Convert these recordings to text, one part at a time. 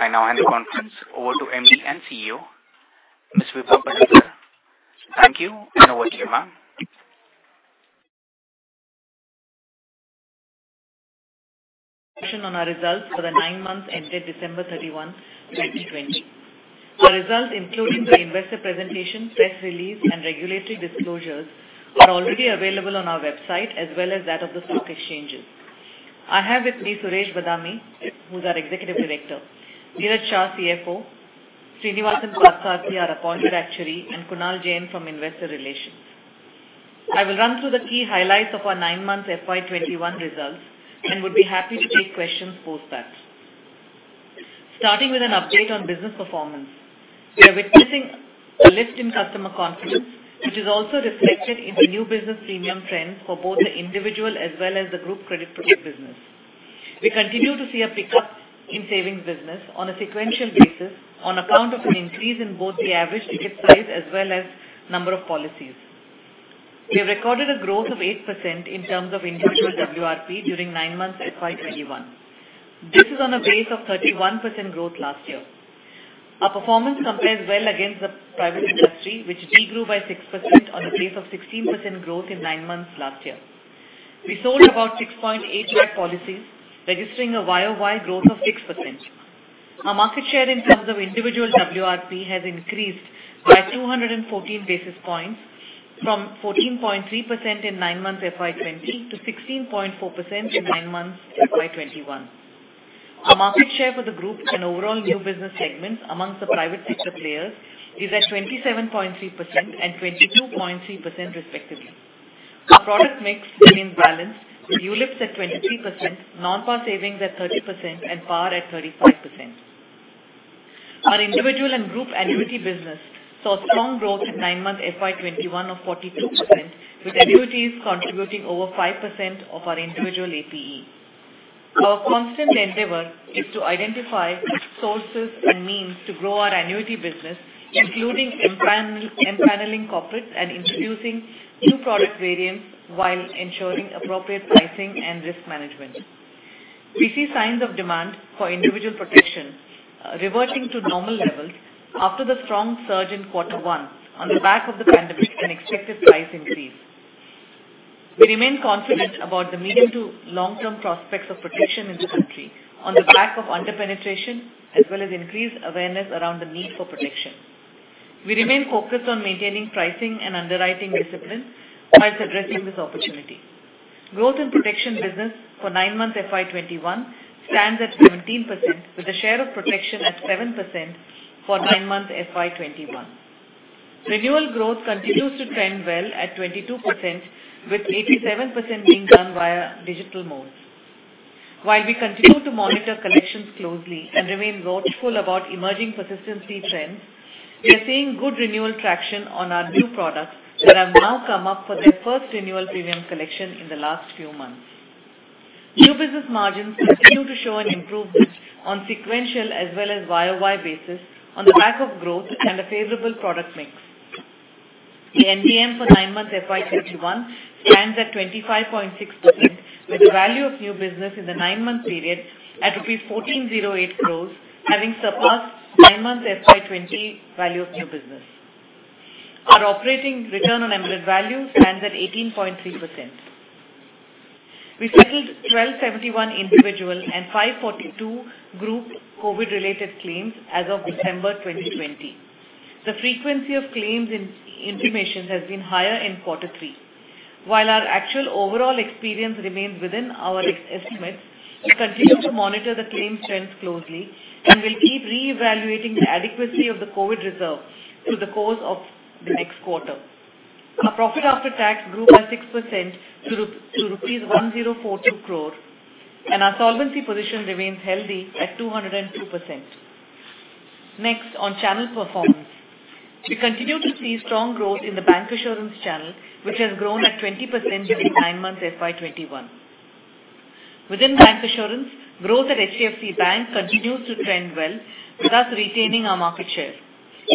I now hand the conference over to MD and CEO, Ms. Vibha Padalkar. Thank you, and over to you, ma'am. Session on our results for the nine months ended December 31, 2020. Our results, including the investor presentation, press release, and regulatory disclosures are already available on our website as well as that of the stock exchanges. I have with me Suresh Badami, who is our Executive Director, Niraj Shah, CFO, Srinivasan Parthasarathy, our Appointed Actuary, and Kunal Jain from Investor Relations. I will run through the key highlights of our nine months FY 2021 results and would be happy to take questions post that. Starting with an update on business performance. We are witnessing a lift in customer confidence, which is also reflected in the new business premium trends for both the individual as well as the group credit protect business. We continue to see a pickup in savings business on a sequential basis on account of an increase in both the average ticket size as well as number of policies. We have recorded a growth of 8% in terms of individual WRP during nine months FY 2021. This is on a base of 31% growth last year. Our performance compares well against the private industry, which de-grew by 6% on the base of 16% growth in nine months last year. We sold about 6.8 lakh policies, registering a YoY growth of 6%. Our market share in terms of individual WRP has increased by 214 basis points from 14.3% in nine months FY 2020 to 16.4% in nine months FY 2021. Our market share for the group and overall new business segments amongst the private sector players is at 27.3% and 22.3%, respectively. Our product mix remains balanced, with ULIPs at 23%, non-par savings at 30%, and par at 35%. Our individual and group annuity business saw strong growth in nine months FY 2021 of 42%, with annuities contributing over 5% of our individual APE. Our constant endeavor is to identify sources and means to grow our annuity business, including empaneling corporates and introducing new product variants while ensuring appropriate pricing and risk management. We see signs of demand for individual protection reverting to normal levels after the strong surge in quarter one on the back of the pandemic and expected price increase. We remain confident about the medium to long-term prospects of protection in the country on the back of under-penetration as well as increased awareness around the need for protection. We remain focused on maintaining pricing and underwriting discipline whilst addressing this opportunity. Growth in protection business for nine months FY 2021 stands at 17%, with a share of protection at 7% for nine months FY 2021. Renewal growth continues to trend well at 22%, with 87% being done via digital modes. While we continue to monitor collections closely and remain watchful about emerging persistency trends, we are seeing good renewal traction on our new products that have now come up for their first renewal premium collection in the last few months. New business margins continue to show an improvement on sequential as well as YoY basis on the back of growth and a favorable product mix. The NBM for nine months FY 2021 stands at 25.6%, with the value of new business in the nine-month period at rupees 1,408 crores, having surpassed nine months FY 2020 value of new business. Our operating return on embedded value stands at 18.3%. We settled 1,271 individual and 542 group COVID-related claims as of December 2020. The frequency of claims intimation has been higher in quarter three. While our actual overall experience remains within our estimates, we continue to monitor the claim trends closely and will keep reevaluating the adequacy of the COVID-19 reserve through the course of the next quarter. Our profit after tax grew by 6% to rupees 1,042 crore, and our solvency position remains healthy at 202%. Next, on channel performance. We continue to see strong growth in the bank insurance channel, which has grown at 20% during nine months FY 2021. Within bancassurance, growth at HDFC Bank continues to trend well with us retaining our market share.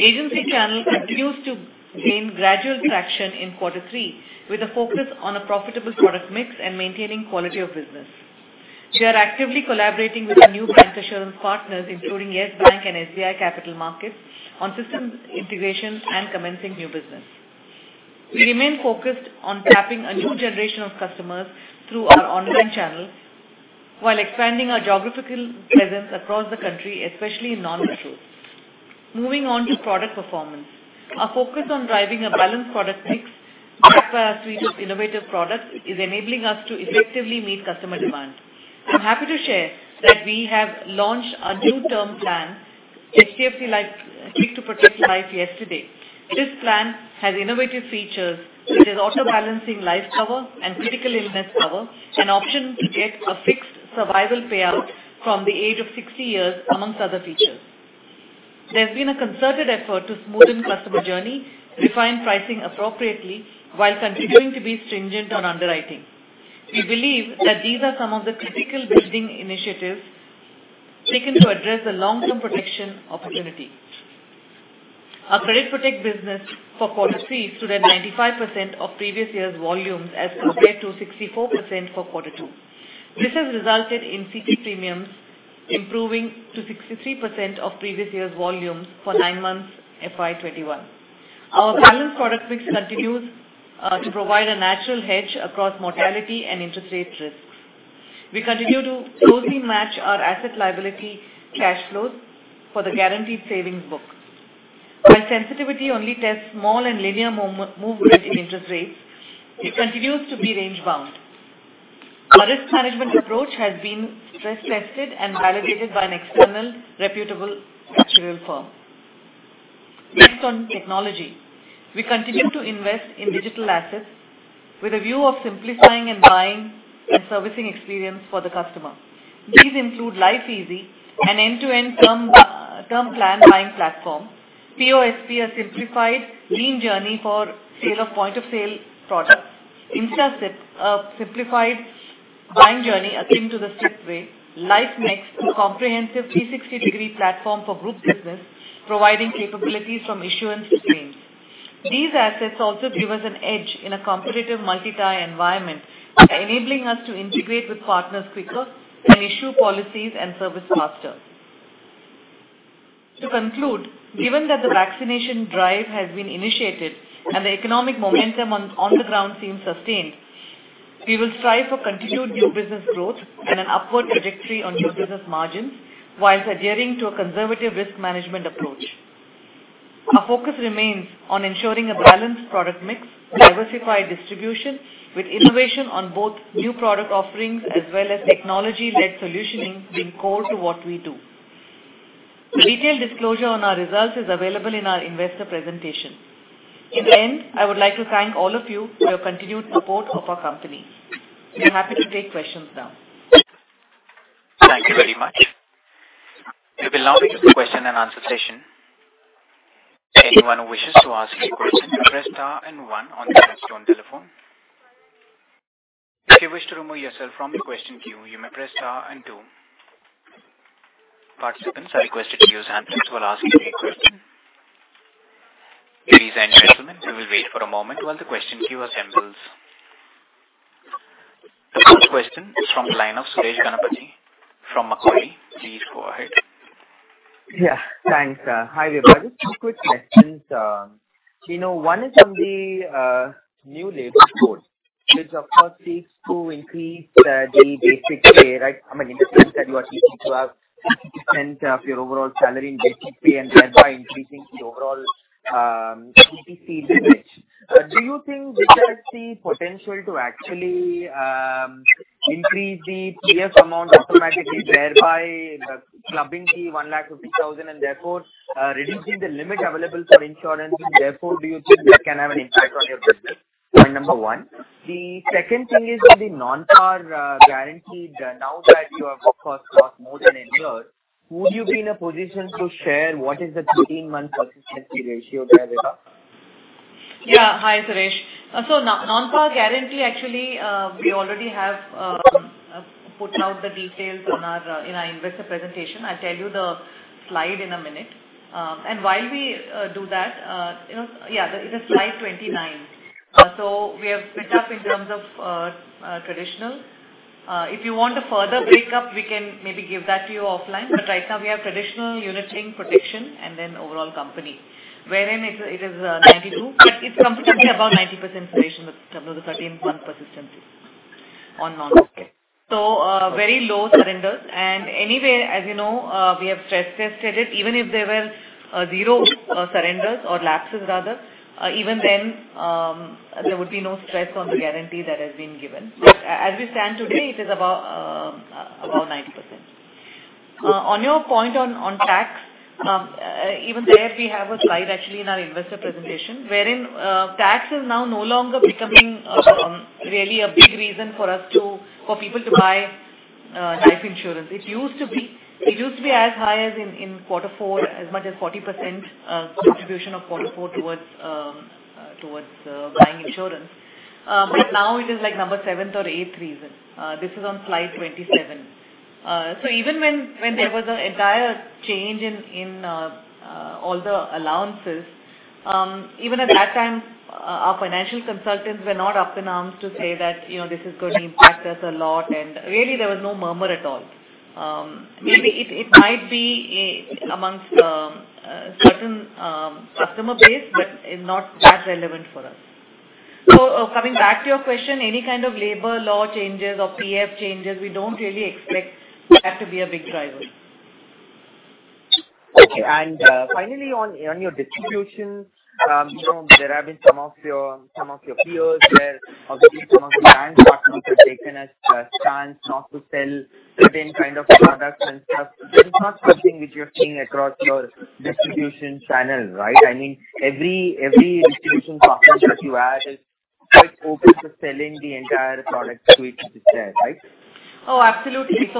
Agency channel continues to gain gradual traction in quarter three with a focus on a profitable product mix and maintaining quality of business. We are actively collaborating with our new bank insurance partners, including Yes Bank and SBI Capital Markets, on systems integration and commencing new business. We remain focused on tapping a new generation of customers through our online channels while expanding our geographical presence across the country, especially in non-metro. Moving on to product performance. Our focus on driving a balanced product mix backed by our suite of innovative products is enabling us to effectively meet customer demand. I'm happy to share that we have launched our new term plan, HDFC Life Click 2 Protect Life, yesterday. This plan has innovative features such as auto-balancing life cover and critical illness cover, an option to get a fixed survival payout from the age of 60 years, amongst other features. There's been a concerted effort to smoothen customer journey, refine pricing appropriately while continuing to be stringent on underwriting. We believe that these are some of the critical building initiatives taken to address the long-term protection opportunity. Our credit protect business for quarter three stood at 95% of previous year's volumes as compared to 64% for quarter two. This has resulted in CP premiums improving to 63% of previous year's volumes for nine months FY 2021. Our balanced product mix continues to provide a natural hedge across mortality and interest rate risks. We continue to closely match our asset liability cash flows for the guaranteed savings book. While sensitivity only tests small and linear movement in interest rates, it continues to be range bound. Our risk management approach has been stress tested and validated by an external reputable actuarial firm. Based on technology, we continue to invest in digital assets with a view of simplifying and buying and servicing experience for the customer. These include LifeEasy, an end-to-end term plan buying platform, POSP, a simplified lean journey for sale of point-of-sale products. InstaSIP, a simplified buying journey akin to the SIP way. LifeNext, a comprehensive 360 degree platform for group business providing capabilities from issuance to claims. These assets also give us an edge in a competitive multi-tie environment by enabling us to integrate with partners quicker and issue policies and service faster. To conclude, given that the vaccination drive has been initiated and the economic momentum on the ground seems sustained, we will strive for continued new business growth and an upward trajectory on new business margins whilst adhering to a conservative risk management approach. Our focus remains on ensuring a balanced product mix, diversified distribution with innovation on both new product offerings as well as technology-led solutioning being core to what we do. A detailed disclosure on our results is available in our investor presentation. In the end, I would like to thank all of you for your continued support of our company. We are happy to take questions now. Thank you very much. We will now begin the question and answer session. Anyone who wishes to ask a question, press star and one on your telephone. If you wish to remove yourself from the question queue, you may press star and two. Participants are requested to use handsets while asking a question. Ladies and gentlemen, we will wait for a moment while the question queue assembles. The first question is from the line of Suresh Ganapathy from Macquarie. Please go ahead. Yeah. Thanks. Hi, Vibha. Just two quick questions. One is on the new labor code, which of course seeks to increase the basic pay, right? I mean, in the sense that you are seeking to have 50% of your overall salary in basic pay and thereby increasing the overall 80C limit. Do you think this has the potential to actually increase the PF amount automatically, thereby clubbing the 1,50,000 and therefore reducing the limit available for insurance and therefore do you think that can have an impact on your business? Point number one. The second thing is with the non-par guarantee now that your book has crossed more than a year, would you be in a position to share what is the 13-month persistency ratio there with us? Yeah. Hi, Suresh. Non-par guarantee, actually, we already have put out the details in our investor presentation. I'll tell you the slide in a minute. While we do that, it is slide 29. We have split up in terms of traditional. If you want a further breakup, we can maybe give that to you offline, but right now we have traditional unit link protection and then overall company, wherein it is 92, but it's comfortably above 90% ratio in terms of the 13-month persistency on non-par. Okay. Very low surrenders and anyway, as you know, we have stress tested it. Even if there were zero surrenders or lapses rather, even then there would be no stress on the guarantee that has been given. As we stand today, it is above 90%. On your point on tax, even there we have a slide actually in our investor presentation, wherein tax is now no longer becoming really a big reason for people to buy life insurance. It used to be as high as in quarter four, as much as 40%, distribution of quarter four towards buying insurance. Now it is like number seventh or eighth reason. This is on slide 27. Even when there was an entire change in all the allowances, even at that time, our financial consultants were not up in arms to say that this is going to impact us a lot, and really there was no murmur at all. It might be amongst a certain customer base, but is not that relevant for us. Coming back to your question, any kind of labor law changes or PF changes, we don't really expect that to be a big driver. Okay. Finally on your distribution, there have been some of your peers where obviously some of the partners who have taken a stance not to sell certain kind of products and stuff. This is not something which you are seeing across your distribution channel, right? I mean, every distribution partner that you add is quite open to selling the entire product suite which is there, right? Oh, absolutely. This is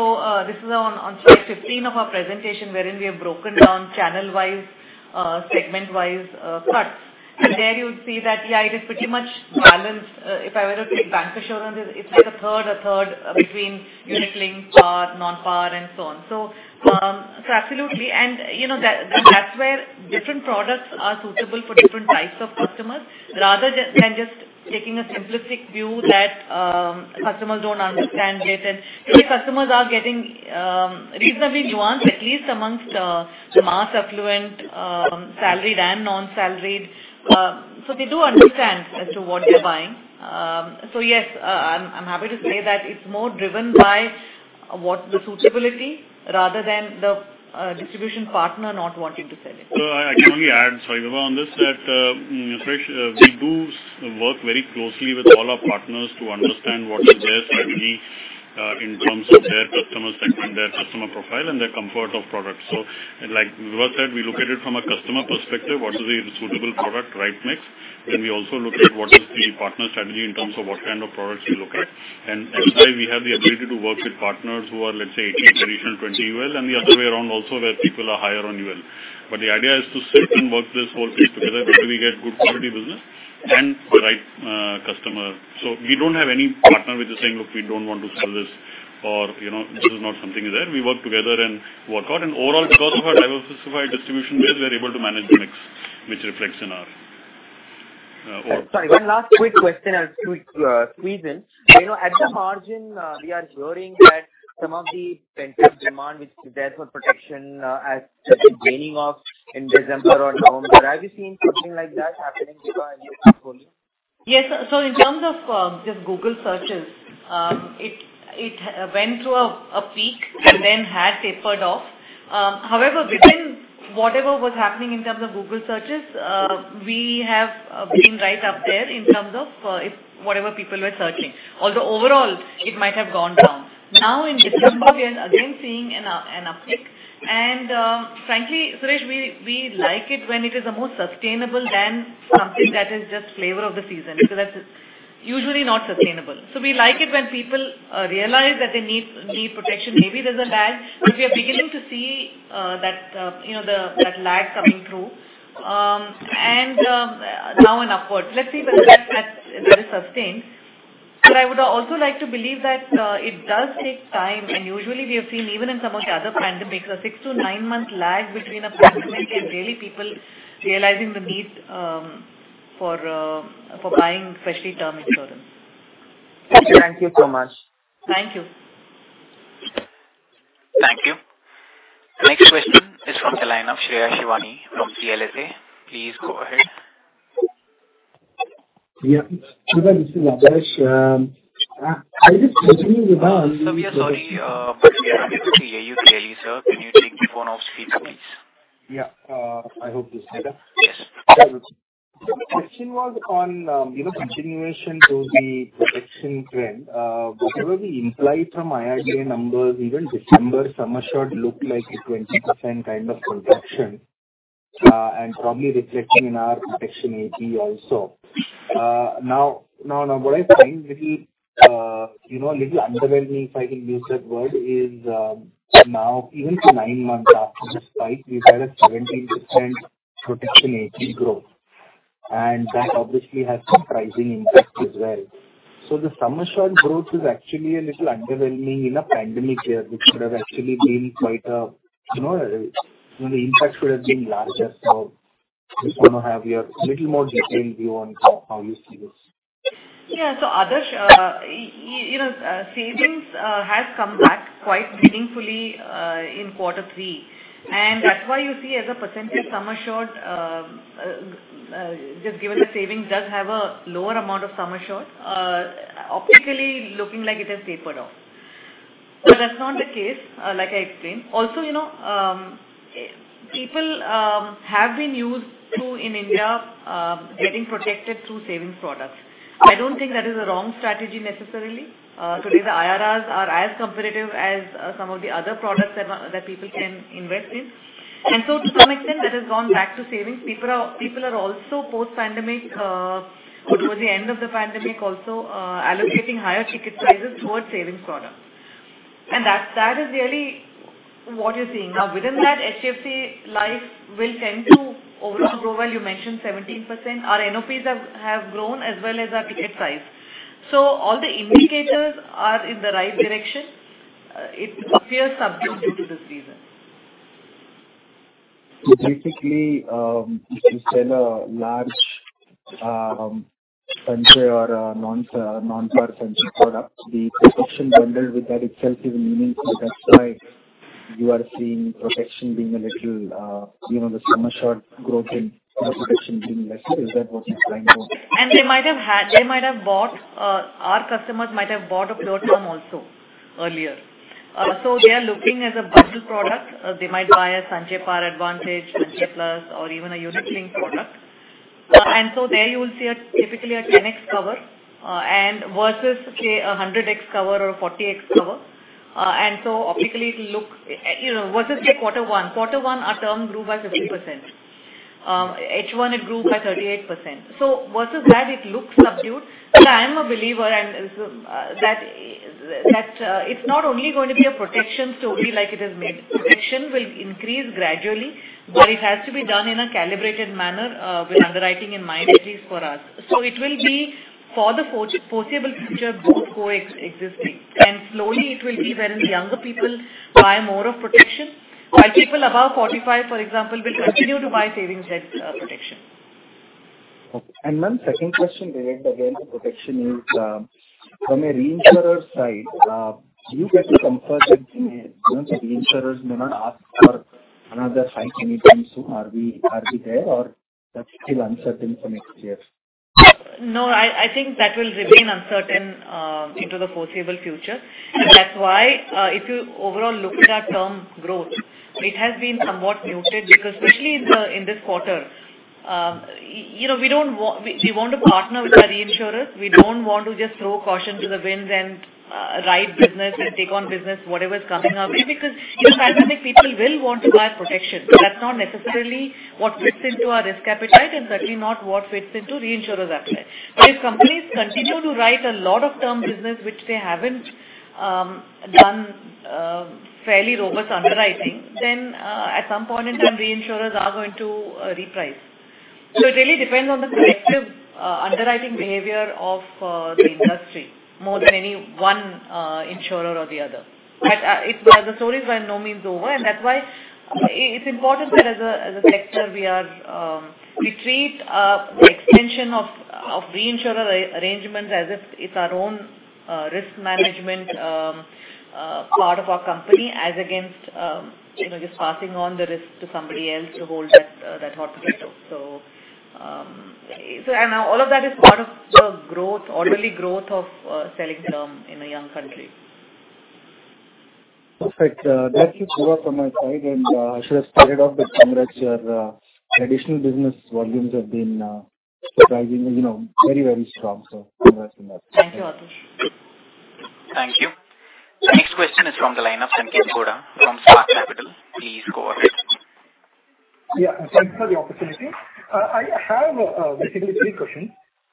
on slide 15 of our presentation wherein we have broken down channel-wise, segment-wise cuts. There you would see that, yeah, it is pretty much balanced. If I were to pick bancassurance, it's like a third between unit-linked, par, non-par, and so on. Absolutely. That's where different products are suitable for different types of customers, rather than just taking a simplistic view that customers don't understand it. Today customers are getting reasonably nuanced, at least amongst mass affluent, salaried and non-salaried, so they do understand as to what they're buying. Yes, I'm happy to say that it's more driven by what the suitability rather than the distribution partner not wanting to sell it. I can only add, sorry, Vibha, on this, that, Suresh, we do work very closely with all our partners to understand what is their strategy in terms of their customer segment, their customer profile, and their comfort of product. Like Vibha said, we look at it from a customer perspective, what is the suitable product, right mix, then we also look at what is the partner strategy in terms of what kind of products we look at. At BI we have the ability to work with partners who are, let's say, 80% traditional, 20% UL, and the other way around also where people are higher on UL. The idea is to sit and work this whole piece together until we get good quality business and the right customer. We don't have any partner which is saying, "Look, we don't want to sell this," or this is not something there. We work together and work out. Overall, because of our diversified distribution base, we're able to manage the mix which reflects in our overall- Sorry, one last quick question, I'll squeeze in. At the margin, we are hearing that some of the pent-up demand which is there for protection has been waning off in December or November. Have you seen something like that happening, Vibha, in your portfolio? Yes. In terms of just Google searches, it went through a peak and then has tapered off. However, within whatever was happening in terms of Google searches, we have been right up there in terms of whatever people were searching, although overall it might have gone down. Now in December, we are again seeing an uptick. Frankly, Suresh, we like it when it is more sustainable than something that is just flavor of the season, because that's usually not sustainable. We like it when people realize that they need protection. Maybe there's a lag, but we are beginning to see that lag coming through now and upwards. Let's see whether that is sustained. I would also like to believe that it does take time, and usually we have seen, even in some of the other pandemic, a six to nine-month lag between a pandemic and really people realizing the need for buying, especially term insurance. Thank you so much. Thank you. Thank you. Next question is from the line of Shreya Shivani from CLSA. Please go ahead. Yeah. This is Adarsh. I was continuing. Sir, we are sorry, but we are unable to hear you clearly, sir. Can you take the phone off mute, please? Yeah. I hope this is better. Yes. My question was on continuation to the protection trend. Whatever we imply from IRDA numbers, even December, sum assured looked like a 20% kind of protection, and probably reflecting in our protection APE also. Now, what I find a little underwhelming, if I can use that word, is now even to nine months after the spike, we've had a 17% protection APE growth, and that obviously has some pricing impact as well. The sum assured growth is actually a little underwhelming in a pandemic year. The impact should have been larger. Just want to have your little more detailed view on how you see this. Yeah. Adarsh, savings has come back quite meaningfully in quarter three, and that's why you see as a percentage sum assured, just given the savings does have a lower amount of sum assured, optically looking like it has tapered off. That's not the case, like I explained. Also, people have been used to, in India, getting protected through savings products. I don't think that is a wrong strategy necessarily. Today, the IRRs are as competitive as some of the other products that people can invest in. To some extent, that has gone back to savings. People are also post-pandemic, towards the end of the pandemic also allocating higher ticket sizes towards savings products. That is really what you're seeing. Now, within that, HDFC Life will tend to overall grow, well, you mentioned 17%. Our NOPs have grown as well as our ticket size. All the indicators are in the right direction. It appears subdued due to this reason. Basically, if you sell a large pension or a non-par pension product, the protection bundled with that itself is meaningful. That is why you are seeing protection being a little, the sum assured growth in protection being less. Is that what you are trying to? They might have bought our customers might have bought a pure term also earlier. They are looking as a bundle product. There you will see typically a 10x cover versus, say, 100x cover or 40x cover. Versus, say, quarter one. Quarter one, our term grew by 50%. H1, it grew by 38%. Versus that, it looks subdued. I'm a believer that it's not only going to be a protection story like it is made. Protection will increase gradually, but it has to be done in a calibrated manner with underwriting in mind, at least for us. It will be for the foreseeable future, both coexisting, and slowly it will be wherein younger people buy more of protection while people above 45, for example, will continue to buy savings-led protection. Okay. Ma'am, second question related again to protection is, from a reinsurer side do you get the comfort that the reinsurers may not ask for another hike anytime soon? Are we there or that's still uncertain for next year? I think that will remain uncertain into the foreseeable future. That's why if you overall look at our term growth, it has been somewhat muted because especially in this quarter, we want to partner with our reinsurers. We don't want to just throw caution to the winds and ride business and take on business, whatever's coming our way. In fact, I think people will want to buy protection, but that's not necessarily what fits into our risk appetite, and certainly not what fits into reinsurers' appetite. If companies continue to write a lot of term business, which they haven't done fairly robust underwriting, at some point in time, reinsurers are going to reprice. It really depends on the collective underwriting behavior of the industry more than any one insurer or the other. The story is by no means over, and that's why it's important that as a sector, we treat the extension of reinsurer arrangements as if it's our own risk management part of our company, as against just passing on the risk to somebody else to hold that hot potato. All of that is part of the orderly growth of selling term in a young country. Perfect. That's it from my side. I should have started off with congrats. Your additional business volumes have been surprisingly very strong. Congrats on that. Thank you, Adarsh. Thank you. The next question is from the line of Sanketh Godha from Spark Capital. Please go ahead. Thanks for the opportunity. I have basically three questions.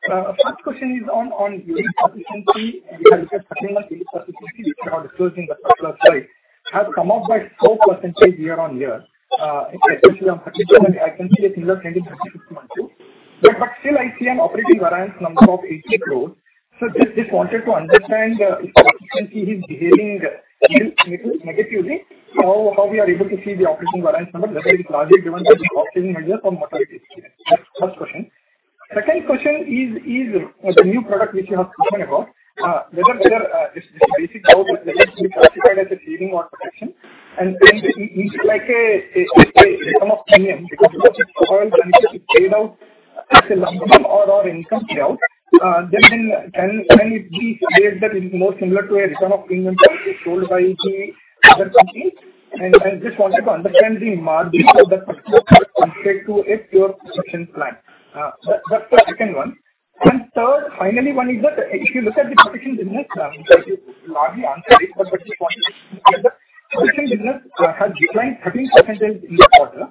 First question is on unit persistency. You have looked at unit persistency, which you are disclosing the first time, has come up by 4% year on year, especially on persistency. I can see a similar trend in 2021 too. Still I see an operating variance number of 80 crore. Just wanted to understand if the efficiency is behaving negatively, how we are able to see the operating variance number, whether it's largely driven by the operating leverage or mortality experience. That's first question. Second question is the new product which you have spoken about, whether this basic product will be classified as a saving or protection, and is it like a return of premium because it involves a need to be paid out as a lump sum or income payout, then can it be said that it is more similar to a return of premium product sold by the other companies and just wanted to understand the margin of that particular product compared to a pure protection plan. That's the second one. Third, finally, one is that if you look at the protection business, you largely answered it, but just wanted to see that protection business has declined 13% in the quarter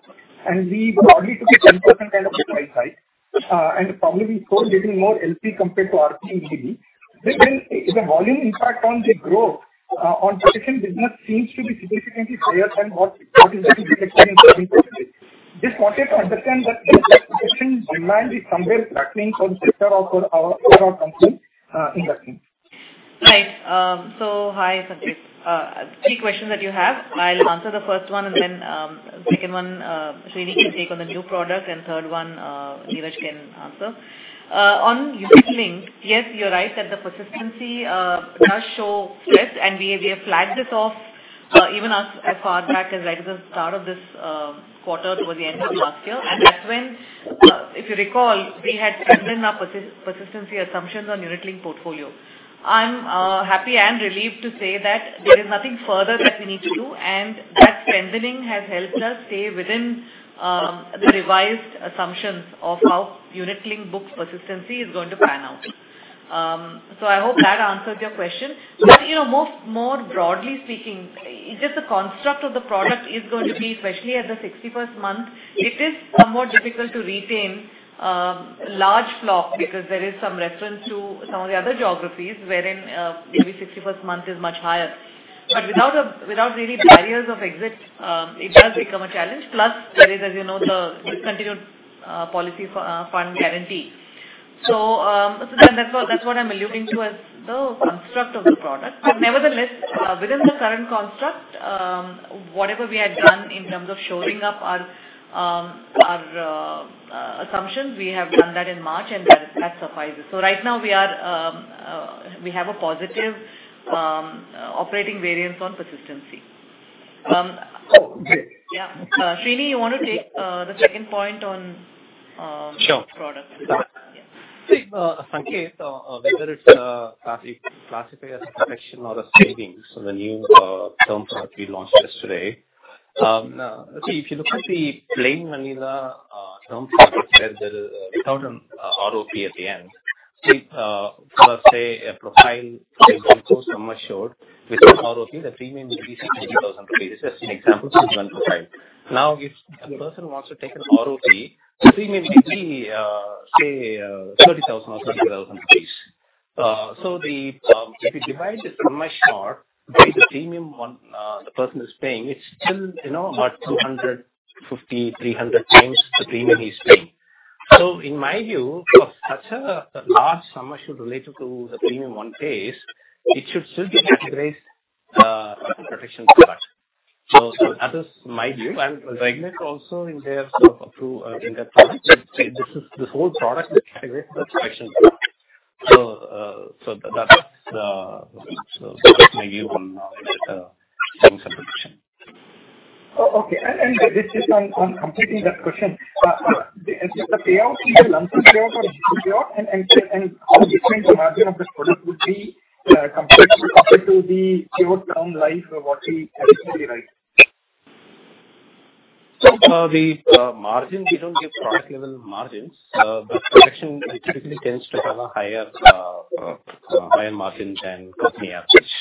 and we broadly took a 10% kind of price hike and probably we sold little more LP compared to RP in GB. The volume impact on the growth on protection business seems to be significantly higher than what is actually reflected in 13%. Just wanted to understand that protection demand is somewhere flattening for the sector or for our company in that sense. Right. Hi, Sanketh. Three questions that you have. I'll answer the first one, and then second one, Srini can take on the new product and third one, Niraj Shah can answer. On unit-linked, yes, you're right that the persistency does show stress, and we have flagged this off even as far back as right at the start of this quarter towards the end of last year. That's when, if you recall, we had strengthened our persistency assumptions on unit-linked portfolio. I'm happy and relieved to say that there is nothing further that we need to do, and that strengthening has helped us stay within the revised assumptions of how unit-linked book persistency is going to pan out. I hope that answers your question. More broadly speaking, just the construct of the product is going to be, especially at the 61st month, it is somewhat difficult to retain large block because there is some reference to some of the other geographies wherein maybe 61st month is much higher, without really barriers of exit it does become a challenge. There is, as you know, the discontinued policy fund guarantee. That's what I'm alluding to as the construct of the product. Nevertheless, within the current construct whatever we had done in terms of shoring up our assumptions, we have done that in March and that suffices. Right now we have a positive operating variance on persistency. Oh, great. Yeah. Srini, you want to take the second point on. Sure. Product? Yeah. Sanketh, whether it's classified as a protection or a savings on the new term product we launched yesterday. If you look at the plain vanilla term product where there is no ROP at the end, see for, say, a profile with also sum assured without ROP, the premium will be INR 60,000. This is just an example to give one profile. If a person wants to take an ROP, the premium might be, say 30,000 or 35,000 rupees. If you divide the sum assured by the premium the person is paying, it's still about 250, 300 times the premium he's paying. In my view, of such a large sum assured related to the premium one pays, it should still be an integrated protection product. That is my view, and regulators also in their true, in-depth product said this whole product is integrated with protection product. That's my view on term insurance protection. Okay. Just on completing that question, is it the payout, either lump sum payout or payout? How different the margin of this product would be compared to the pure term life or what we traditionally write? The margin, we don't give product level margins, but protection typically tends to have a higher margin than company average.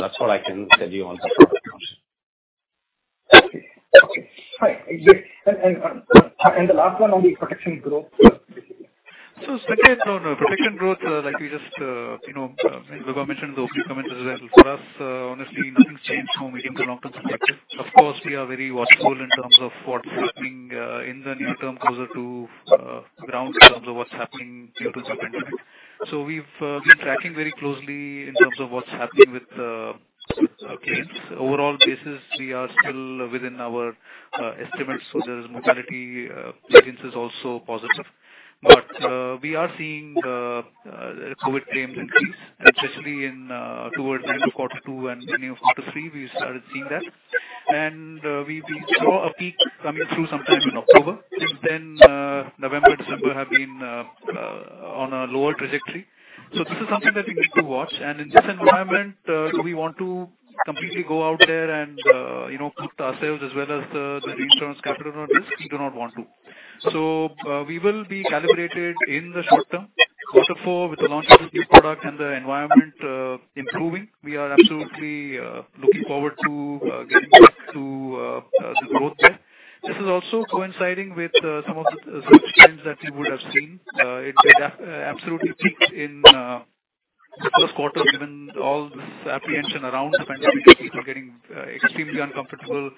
That's what I can tell you on the product margin. Okay. Great. The last one on the protection growth. Sanketh, on protection growth, like we just mentioned in the opening comments as well, for us, honestly, nothing's changed from medium to long-term perspective. Of course, we are very watchful in terms of what's happening in the near term, closer to ground in terms of what's happening due to COVID-19. We've been tracking very closely in terms of what's happening with claims. Overall basis, we are still within our estimates. There's mortality, claims is also positive. We are seeing COVID claims increase, especially towards the end of quarter two and beginning of quarter three, we started seeing that. We saw a peak coming through sometime in October. Since then, November, December have been on a lower trajectory. This is something that we need to watch. In this environment, do we want to completely go out there and put ourselves as well as the reinsurance capital at risk? We do not want to. We will be calibrated in the short term. Quarter four with the launch of this new product and the environment improving, we are absolutely looking forward to getting back to the growth there. This is also coinciding with some of the search trends that you would have seen. It absolutely peaked in the first quarter, given all this apprehension around the pandemic, people getting extremely uncomfortable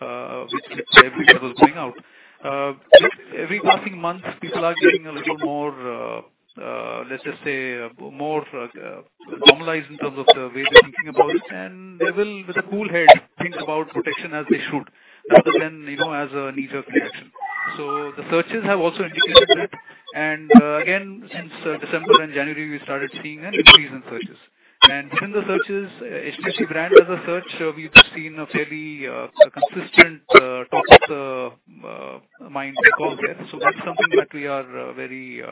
with every travel going out. Every passing month, people are getting a little more, let's just say, more normalized in terms of the way they're thinking about it. They will, with a cool head, think about protection as they should, rather than as a knee-jerk reaction. The searches have also indicated that. Again, since December and January, we started seeing an increase in searches. Within the searches, HDFC brand as a search, we've seen a fairly consistent top of mind recall there. That's something that we are very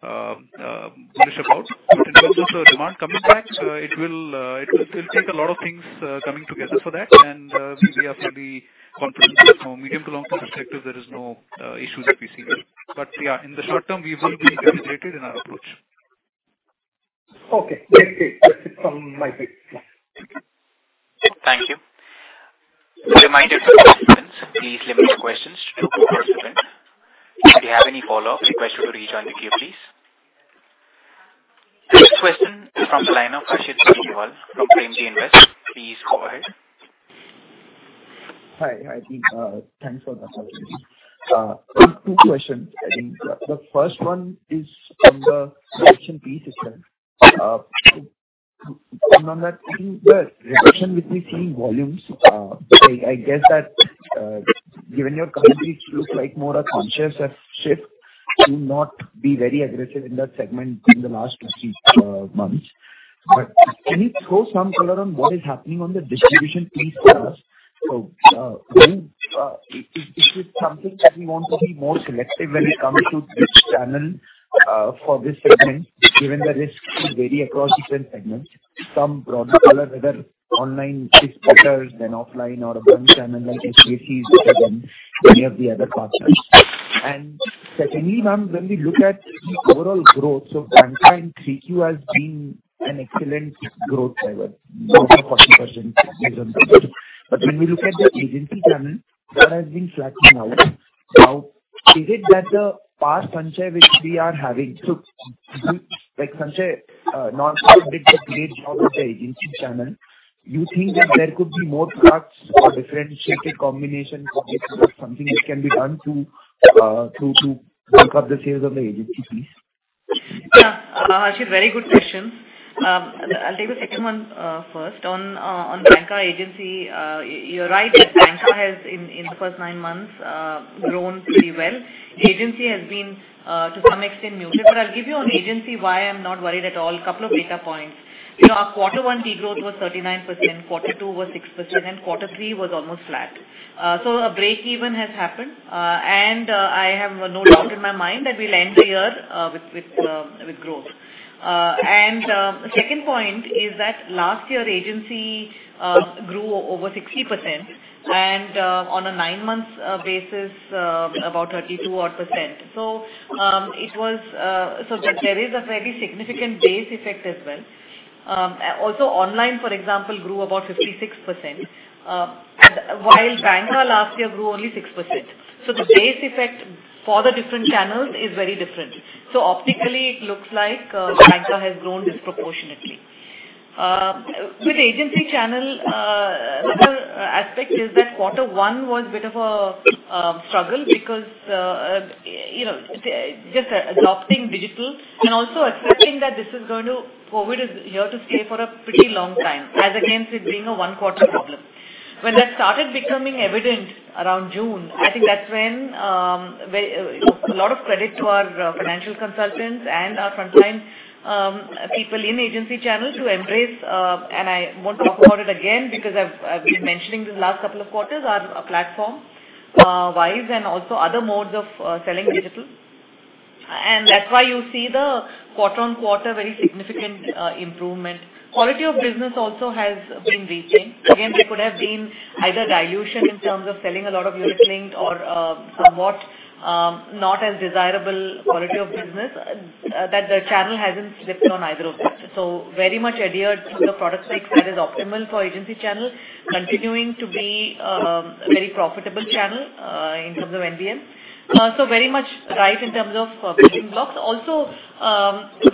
bullish about. In terms of demand coming back, it will take a lot of things coming together for that, and we are fairly confident that from a medium to long-term perspective, there is no issue that we see there. Yeah, in the short term, we will be calibrated in our approach. Okay, great. That's it from my bit. Yeah. Thank you. A reminder to participants, please limit questions to two per participant. If you have any follow-ups, we request you to rejoin the queue, please. Next question from the line of Harshil Kaviwal from Frame Street Invest. Please go ahead. Hi. Thanks for the opportunity. Two questions, I think. The first one is on the protection piece. On that, I think the reduction which we're seeing volumes, I guess that given your current reach looks like more a conscious shift to not be very aggressive in that segment in the last two-three months. Can you throw some color on what is happening on the distribution piece for us? Is this something that we want to be more selective when it comes to this channel for this segment, given the risks vary across different segments? Some broad color whether online is better than offline or a bank channel like HDFC is better than any of the other partners. Secondly, ma'am, when we look at the overall growth, bancassurance in 3Q has been an excellent growth driver, growth of 40% YoY. When we look at the agency channel, that has been flattening out. Is it that the past Sanchay non-par did a great job with the agency channel? You think that there could be more products or differentiated combination products or something that can be done to bulk up the sales of the agency, please? Yeah. Harshil, very good questions. I'll take the second one first on bancassurance agency. You're right that bancassurance has in the first nine months grown pretty well. The agency has been to some extent muted, but I'll give you on agency why I'm not worried at all. A couple of data points. Our quarter one de-growth was 39%, quarter two was 6%, and quarter three was almost flat. A breakeven has happened, and I have no doubt in my mind that we'll end the year with growth. Second point is that last year, agency grew over 60%, and on a nine months basis, about 32%. There is a very significant base effect as well. Online, for example, grew about 56%, while Banca last year grew only 6%. The base effect for the different channels is very different. Optically it looks like Banca has grown disproportionately. With agency channel, another aspect is that quarter one was a bit of a struggle because just adopting digital and also accepting that COVID is here to stay for a pretty long time as against it being a one quarter problem. When that started becoming evident around June, I think that's when a lot of credit to our financial consultants and our frontline people in agency channel to embrace. I won't talk about it again because I've been mentioning these last couple of quarters are platform wise and also other modes of selling digital. That's why you see the quarter-on-quarter very significant improvement. Quality of business also has been retained. Again, there could have been either dilution in terms of selling a lot of unit-linked or somewhat not as desirable quality of business that the channel hasn't slipped on either of that. Very much adhered to the product mix that is optimal for agency channel continuing to be a very profitable channel in terms of NBM. Very much right in terms of building blocks. Also,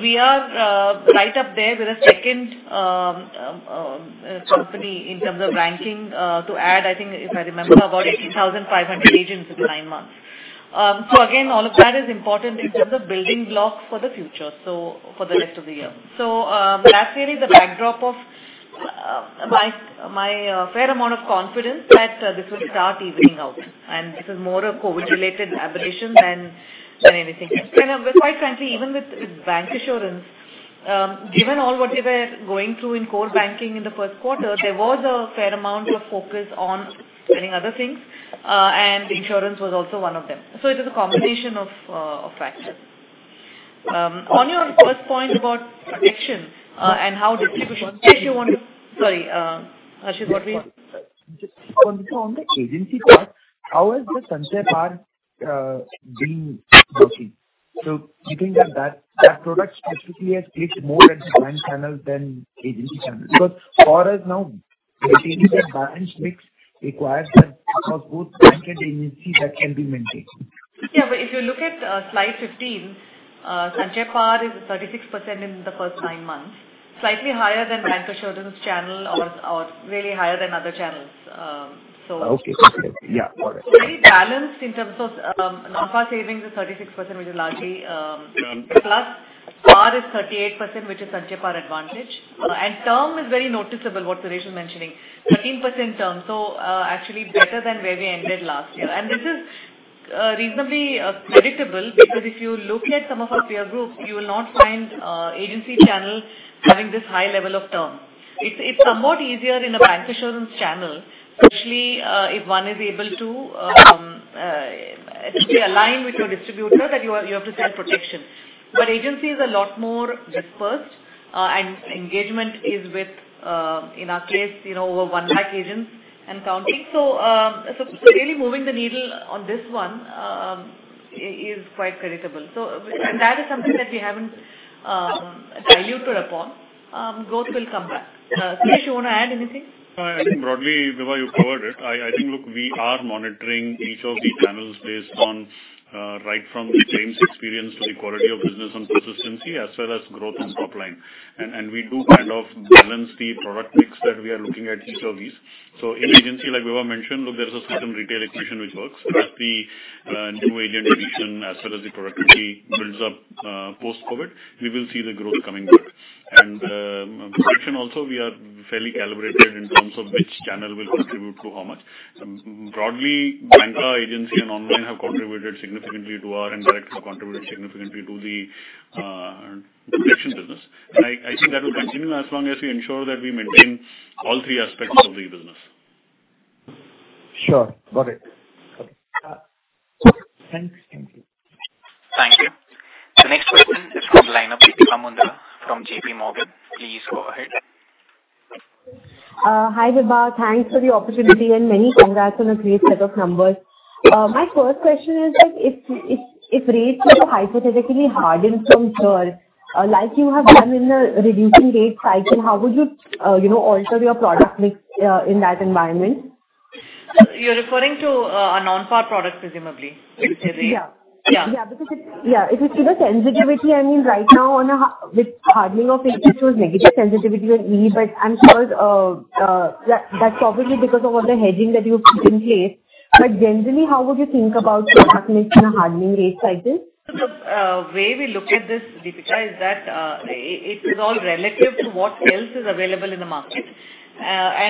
we are right up there with a second company in terms of ranking to add, I think, if I remember, about 18,500 agents in nine months. Again, all of that is important in terms of building block for the future, so for the rest of the year. That's really the backdrop of my fair amount of confidence that this will start evening out, and this is more a COVID-19 related aberration than anything else. Quite frankly, even with bank insurance, given all what they were going through in core banking in the first quarter, there was a fair amount of focus on many other things, and insurance was also one of them. It is a combination of factors. On your first point about protection and how distribution. Sorry, Harshil, what were you? On the agency part, how has the Sanchay Par been working? You think that product specifically has clicked more at the bank channel than agency channel because for us now, maintaining that balance mix requires that for both bank and agency that can be maintained. Yeah. If you look at slide 15, Sanchay Par is 36% in the first nine months, slightly higher than bancassurance channel or really higher than other channels. Okay. Yeah, got it. Pretty balanced in terms of non-par savings is 36%, which is largely plus. Par is 38%, which is Sanchay Par Advantage. Term is very noticeable what Suresh is mentioning, 13% term. Actually better than where we ended last year. This is reasonably creditable because if you look at some of our peer groups, you will not find agency channel having this high level of term. It's somewhat easier in a bancassurance channel, especially if one is able to align with your distributor that you have to sell protection. Agency is a lot more dispersed, and engagement is with, in our case, over one lakh agents and counting. Really moving the needle on this one is quite creditable. That is something that we haven't diluted upon. Growth will come back. Suresh, you want to add anything? I think broadly, Vibha, you covered it. I think, look, we are monitoring each of the channels based on right from the claims experience to the quality of business and persistency as well as growth in top line. We do kind of balance the product mix that we are looking at each of these. In agency, like Vibha mentioned, look, there is a certain retail equation which works. As the new agent addition as well as the productivity builds up post-COVID, we will see the growth coming back. Protection also we are fairly calibrated in terms of which channel will contribute to how much. Broadly, Banca, agency, and online have contributed significantly to our, and direct have contributed significantly to the protection business. I think that will continue as long as we ensure that we maintain all three aspects of the business. Sure. Got it. Thank you. Thank you. The next question is from Deepika Mundra from JPMorgan. Please go ahead. Hi, Vibha. Thanks for the opportunity and many congrats on a great set of numbers. My first question is if rates were to hypothetically harden from here, like you have done in the reducing rate cycle, how would you alter your product mix in that environment? You're referring to a non-par product, presumably? Yeah. Yeah. Yeah. If you see the sensitivity, I mean, right now with hardening of interest shows negative sensitivity with me, I'm sure that's probably because of all the hedging that you put in place. Generally, how would you think about product mix in a hardening rate cycle? The way we look at this, Deepika, is that it is all relative to what else is available in the market.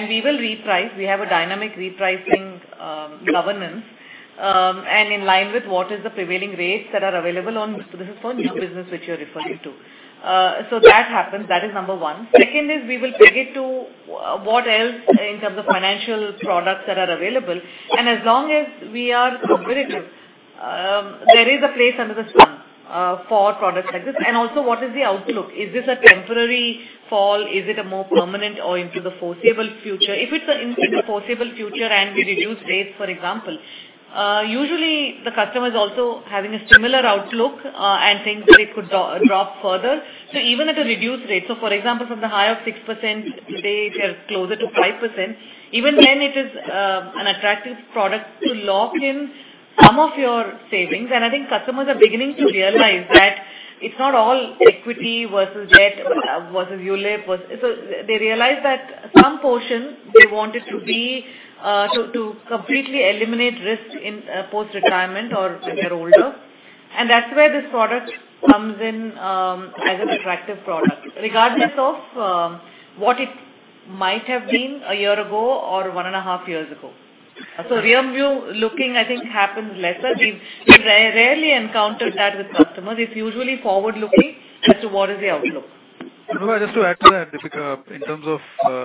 We will reprice. We have a dynamic repricing governance, and in line with what is the prevailing rates that are available on, so this is for new business which you're referring to. That happens. That is number 1. Second is we will peg it to what else in terms of financial products that are available. As long as we are competitive. There is a place under the sun for products like this. Also, what is the outlook? Is this a temporary fall? Is it a more permanent or into the foreseeable future? If it's into the foreseeable future and we reduce rates, for example, usually the customer is also having a similar outlook and thinks that it could drop further, so even at a reduced rate. For example, from the high of 6%, today we are closer to 5%, even then it is an attractive product to lock in some of your savings. I think customers are beginning to realize that it's not all equity versus debt versus ULIP. They realize that some portion they want it to completely eliminate risk in post-retirement or when they're older. That's where this product comes in as an attractive product, regardless of what it might have been a year ago or one and a half years ago. Rear view looking, I think happens lesser. We rarely encounter that with customers. It's usually forward-looking as to what is the outlook. Just to add to that, Deepika, in terms of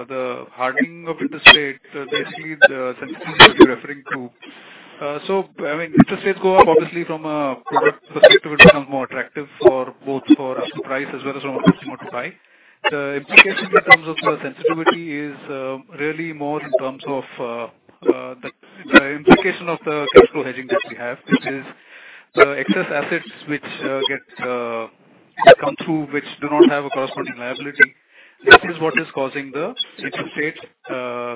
the hardening of interest rates, basically the sensitivity you're referring to. I mean, interest rates go up obviously from a product perspective, it becomes more attractive both for us to price as well as from a customer to buy. The implication in terms of sensitivity is really more in terms of the implication of the cash flow hedging that we have, which is excess assets which come through, which do not have a corresponding liability. This is what is causing the interest rate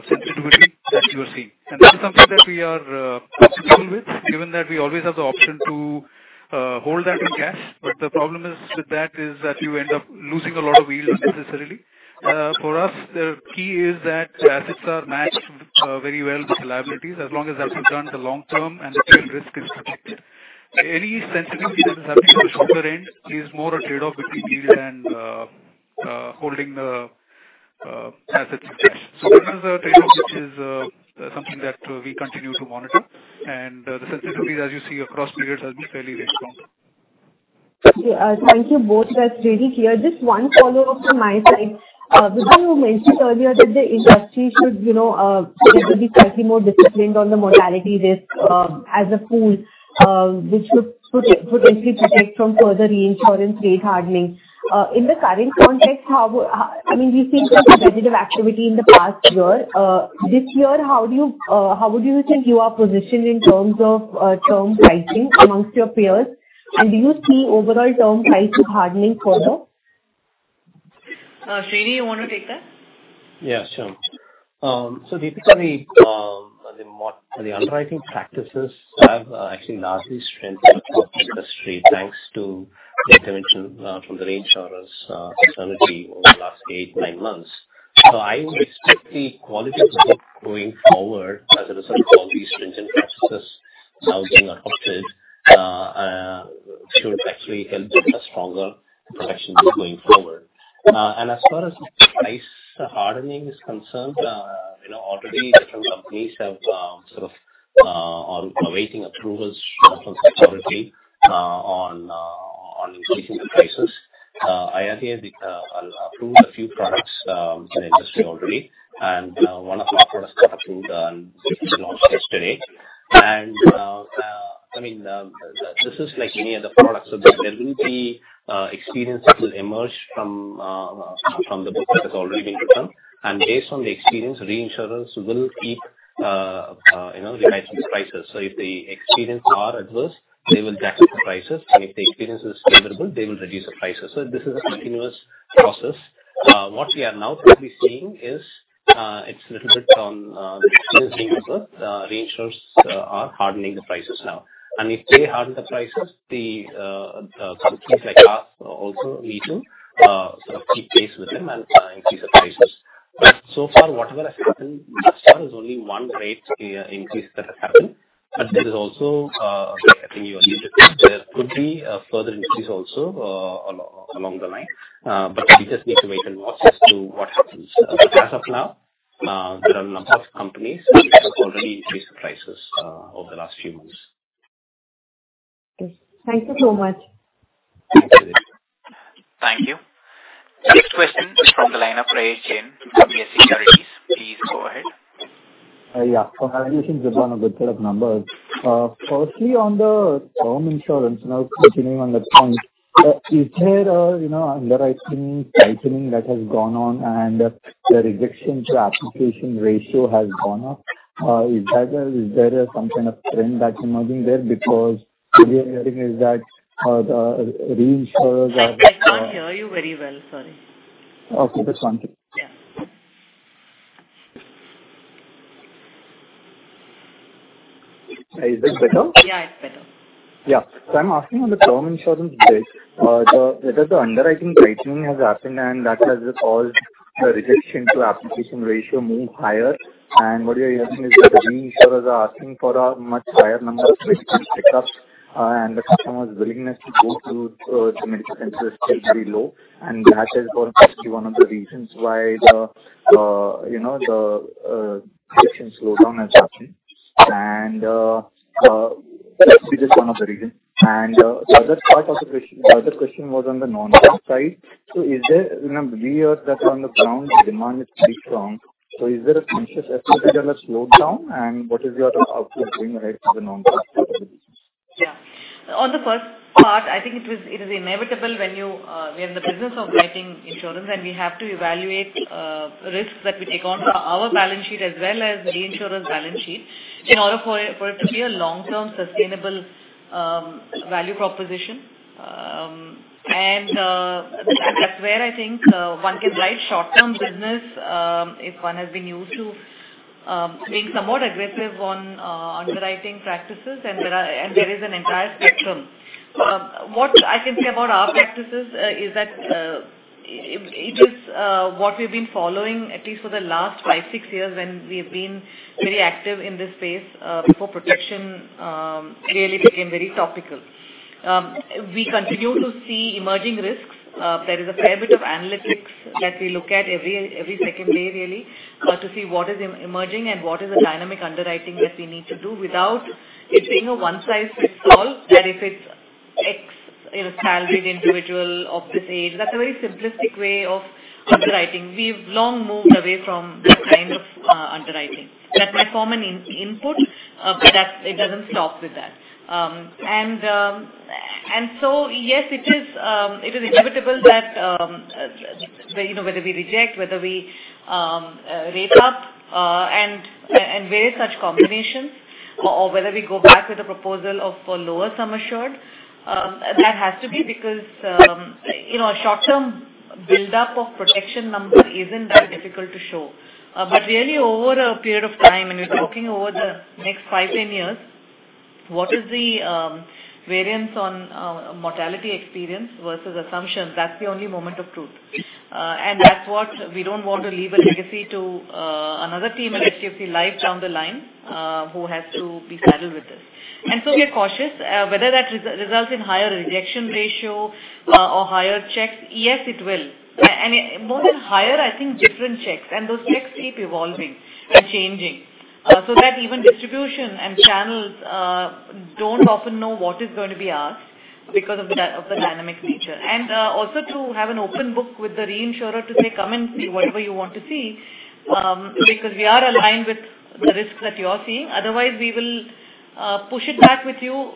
sensitivity that you are seeing. That is something that we are comfortable with, given that we always have the option to hold that in cash. The problem with that is that you end up losing a lot of yield necessarily. For us, the key is that assets are matched very well with liabilities, as long as that's done to long term and the tail risk is protected. Any sensitivity that is happening on the shorter end is more a trade-off between yield and holding the assets in cash. That is a trade-off which is something that we continue to monitor, and the sensitivities as you see across periods has been fairly reasonable. Thank you both. That's really clear. Just one follow-up from my side. Vibha you mentioned earlier that the industry should be slightly more disciplined on the mortality risk as a pool, which would potentially protect from further reinsurance rate hardening. In the current context, we've seen some competitive activity in the past year. This year, how would you think you are positioned in terms of term pricing amongst your peers, and do you see overall term pricing hardening further? Srini, you want to take that? Yeah, sure. Deepika, the underwriting practices have actually largely strengthened across the industry, thanks to the intervention from the reinsurance fraternity over the last eight, nine months. I would expect the quality to keep going forward as a result of all these stringent practices now being adopted should actually help build a stronger protection book going forward. As far as price hardening is concerned, already certain companies are awaiting approvals from IRDAI on increasing the prices. IRDAI approved a few products in the industry already, one of our products got approved and was launched yesterday. This is like any other product. There will be experiences that will emerge from the book that has already been written. Based on the experience, reinsurers will keep revising the prices. If the experience are adverse, they will jack up the prices, and if the experience is favorable, they will reduce the prices. This is a continuous process. What we are now probably seeing is it's a little bit on the experiencing of the reinsurers are hardening the prices now. If they harden the prices, the companies like us also need to keep pace with them and increase the prices. So far, whatever has happened thus far is only one rate increase that has happened, but there is also, I think you alluded to this, there could be a further increase also along the line. We just need to wait and watch as to what happens. As of now, there are a number of companies which have already increased the prices over the last few months. Okay. Thank you so much. Thanks, Deepika. Thank you. Next question is from the line of Prayesh Jain, IIFL Securities. Please go ahead. Yeah. Congratulations on a good set of numbers. Firstly, on the term insurance, now continuing on that point, is there underwriting tightening that has gone on and the rejection to application ratio has gone up? Is there some kind of trend that's emerging there? Because what we are hearing is that the reinsurers are- I can't hear you very well, sorry. Okay, that's fine. Yeah. Is this better? Yeah, it's better. Yeah. I'm asking on the term insurance space, whether the underwriting tightening has happened, and that has caused the rejection to application ratio move higher. What we are hearing is that the reinsurers are asking for a much higher number of medical checkups, and the customer's willingness to go through medical tests is still very low. That has possibly one of the reasons why the rejection slowdown has happened. Could this be just one of the reasons? The other part of the question, the other question was on the non-life side. We heard that on the ground the demand is pretty strong. Is there a conscious effort there or a slowdown, and what is your outlook doing right for the non-life side of the business? On the first part, I think it is inevitable when you are in the business of writing insurance, we have to evaluate risks that we take on for our balance sheet as well as the reinsurer's balance sheet in order for it to be a long-term sustainable value proposition. That's where I think one can write short-term business if one has been used to being somewhat aggressive on underwriting practices, and there is an entire spectrum. What I can say about our practices is that it is what we've been following at least for the last five, six years when we've been very active in this space before protection really became very topical. We continue to see emerging risks. There is a fair bit of analytics that we look at every second day really to see what is emerging and what is the dynamic underwriting that we need to do without it being a one-size-fits-all, that if it's X salaried individual of this age. That's a very simplistic way of underwriting. We've long moved away from that kind of underwriting. That might form an input, but it doesn't stop with that. Yes, it is inevitable that whether we reject, whether we rate up, and various such combinations, or whether we go back with a proposal of a lower sum assured, that has to be because short-term buildup of protection number isn't that difficult to show. Really over a period of time, and you're talking over the next five, 10 years, what is the variance on mortality experience versus assumption, that's the only moment of truth. That's what we don't want to leave a legacy to another team at HDFC Life down the line who has to be saddled with this. So we are cautious. Whether that results in higher rejection ratio or higher checks, yes, it will. More than higher, I think different checks, and those checks keep evolving and changing, so that even distribution and channels don't often know what is going to be asked because of the dynamic nature. Also to have an open book with the reinsurer to say, "Come and see whatever you want to see because we are aligned with the risks that you're seeing. Otherwise, we will push it back with you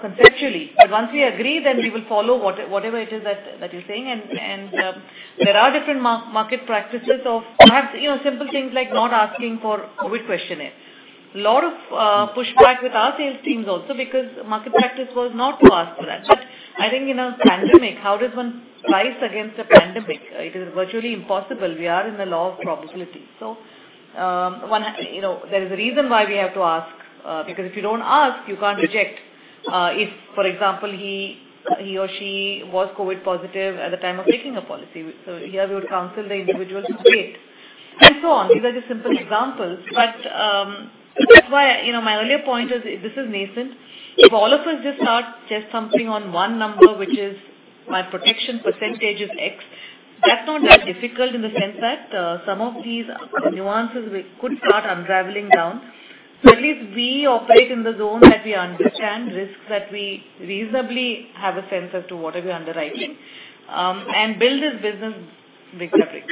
conceptually. Once we agree, then we will follow whatever it is that you're saying." There are different market practices of perhaps simple things like not asking for COVID questionnaires. Lot of pushback with our sales teams also because market practice was not to ask for that. I think in a pandemic, how does one price against a pandemic? It is virtually impossible. We are in the law of probability. There is a reason why we have to ask, because if you don't ask, you can't reject if, for example, he or she was COVID positive at the time of taking a policy. Here we would counsel the individual to wait, and so on. These are just simple examples, but that's why my earlier point is this is nascent. If all of us just start chest thumping on one number, which is my protection percentage is X, that's not that difficult in the sense that some of these nuances we could start unraveling down. At least we operate in the zone that we understand, risks that we reasonably have a sense as to what are we underwriting, and build this business brick by brick.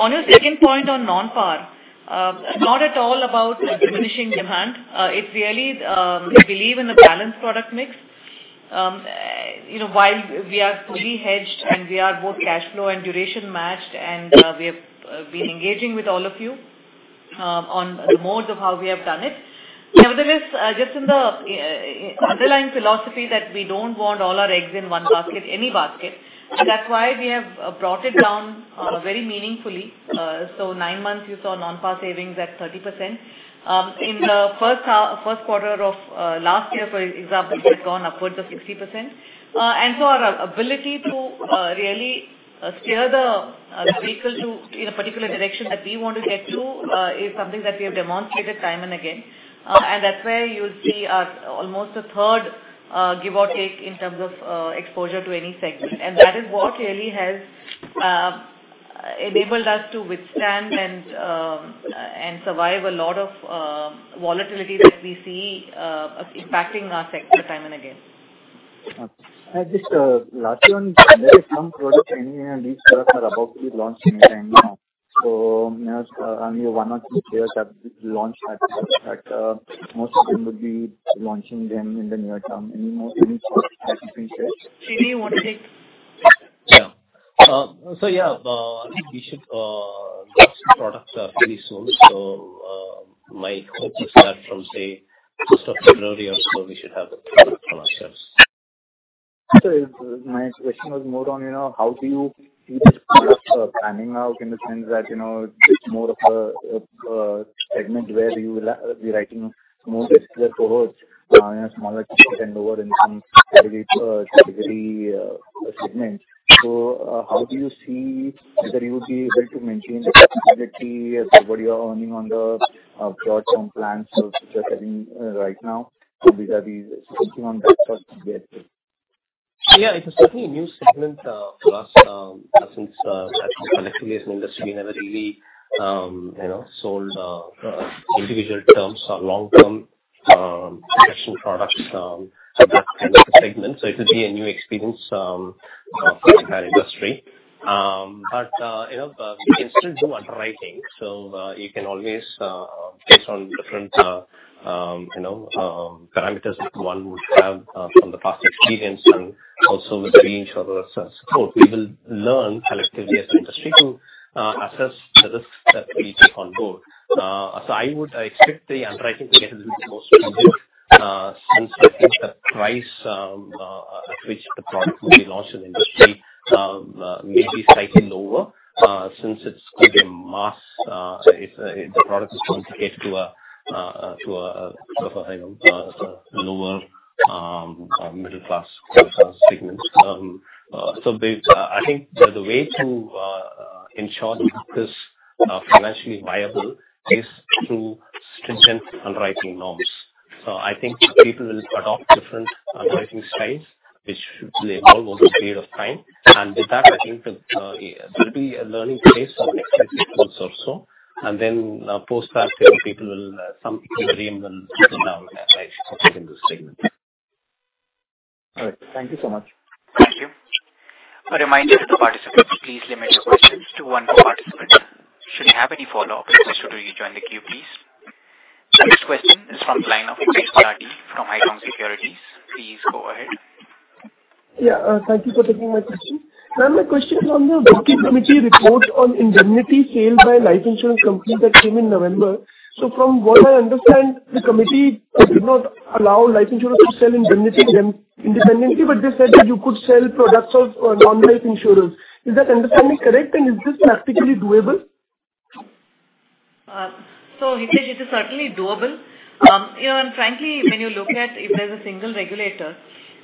On your second point on non-par, not at all about diminishing demand. It's really we believe in the balanced product mix. While we are fully hedged and we are both cash flow and duration matched, and we have been engaging with all of you on the modes of how we have done it. Nevertheless, just in the underlying philosophy that we don't want all our eggs in one basket, any basket, that's why we have brought it down very meaningfully. Nine months you saw non-par savings at 30%. In the first quarter of last year, for example, it had gone upwards of 60%. Our ability to really steer the vehicle in a particular direction that we want to get to is something that we have demonstrated time and again, and that's where you'll see almost a third give or take in terms of exposure to any segment. That is what really has enabled us to withstand and survive a lot of volatility that we see impacting our sector time and again. Last year there were some products. These products are about to be launched anytime now. Only one or two players have launched that product. Most of them would be launching them in the near term. Any thoughts or anything you can share? Srini, you want to take? Yeah. I think we should launch the products fairly soon. My hope is that from, say, first of February or so, we should have the product on our shelves. My question was more on how do you see the product planning now in the sense that it's more of a segment where you will be writing more riskier cohorts in a smaller ticket and lower income category segment. How do you see whether you would be able to maintain the profitability as per what you're earning on the short-term plans that you're selling right now vis-à-vis switching on that front as well? Yeah, it's certainly a new segment for us since actually as an industry we never really sold individual terms or long-term protection products for that kind of a segment, so it'll be a new experience for the entire industry. We will do underwriting, so you can always base on different parameters which one would have from the past experience and also with the reinsurer support. We will learn collectively as an industry to assess the risks that we take on board. I would expect the underwriting to get a little bit more stringent since I think the price at which the product will be launched in the industry may be slightly lower since the product is going to get to a lower middle-class segments. I think that the way to ensure that it is financially viable is through stringent underwriting norms. I think people will adopt different underwriting styles, which should evolve over a period of time. With that, I think there will be a learning phase of X years also. Post that, some people in the realm will settle down when underwriting for certain risk segments. All right, thank you so much. Thank you. A reminder to participants, please limit your questions to one per participant. Should you have any follow-ups, press two to rejoin the queue, please. The next question is from the line of Hitesh Shah from Kotak Securities. Please go ahead. Yeah. Thank you for taking my question. Ma'am, my question is on the Audit Committee report on indemnity sale by life insurance companies that came in November. From what I understand, the committee did not allow life insurers to sell indemnity independently, but they said that you could sell products of non-life insurers. Is that understanding correct and is this practically doable? Hitesh, it is certainly doable. Frankly, when you look at if there's a single regulator,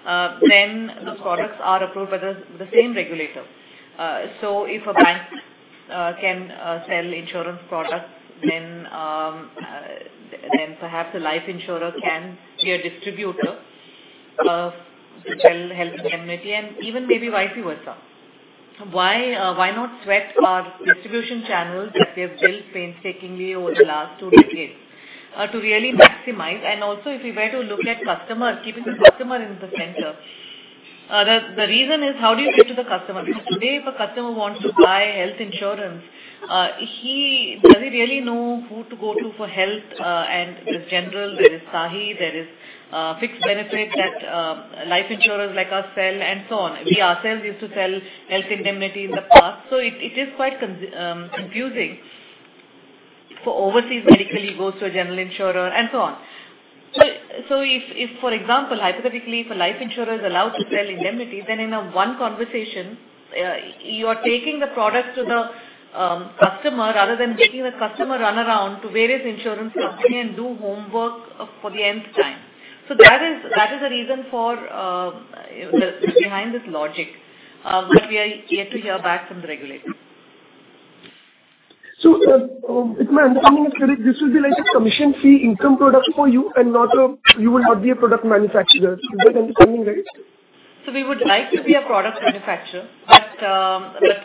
those products are approved by the same regulator. If a bank can sell insurance products, perhaps a life insurer can be a distributor to sell health indemnity and even maybe vice versa. Why not sweat our distribution channels that we have built painstakingly over the last two decades to really maximize? Also, if we were to look at keeping the customer in the center, the reason is how do you get to the customer? Today, if a customer wants to buy health insurance, does he really know who to go to for health? There's general, there is SAHI, there is fixed benefit that life insurers like us sell, and so on. We ourselves used to sell health indemnity in the past. It is quite confusing. For overseas medical, he goes to a general insurer, and so on. If, for example, hypothetically, if a life insurer is allowed to sell indemnity, then in one conversation, you are taking the product to the customer rather than making the customer run around to various insurance company and do homework for the nth time. That is the reason behind this logic, but we are yet to hear back from the regulator. If my understanding is correct, this will be like a commission-free income product for you and you will not be a product manufacturer. Is that understanding right? We would like to be a product manufacturer, but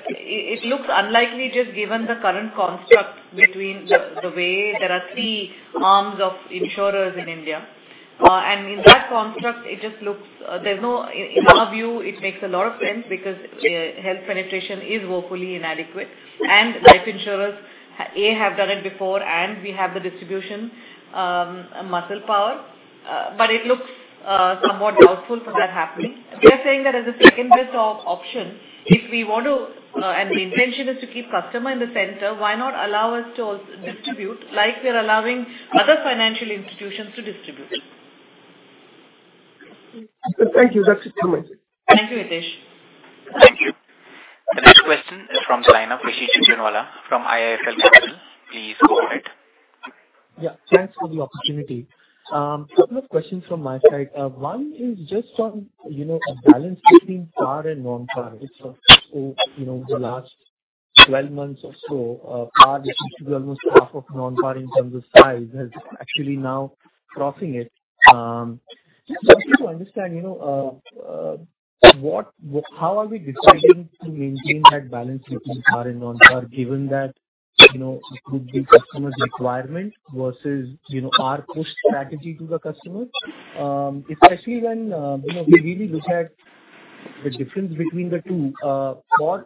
it looks unlikely just given the current construct between the way there are three arms of insurers in India. In that construct, in our view, it makes a lot of sense because health penetration is woefully inadequate and life insurers, A, have done it before, and we have the distribution muscle power. It looks somewhat doubtful for that happening. We are saying that as a second-best option, and the intention is to keep customer in the center, why not allow us to also distribute like we are allowing other financial institutions to distribute? Thank you. That's it from my side. Thank you, Hitesh. Thank you. The next question is from the line of Rishi Jhunjhunwala from IIFL Securities. Please go ahead. Yeah, thanks for the opportunity. Couple of questions from my side. One is just on a balance between par and non-par. Over the last 12 months or so, par, which used to be almost half of non-par in terms of size, has actually now crossing it. Just wanted to understand how are we deciding to maintain that balance between par and non-par, given that it could be customer's requirement versus our push strategy to the customer, especially when we really look at the difference between the two. For,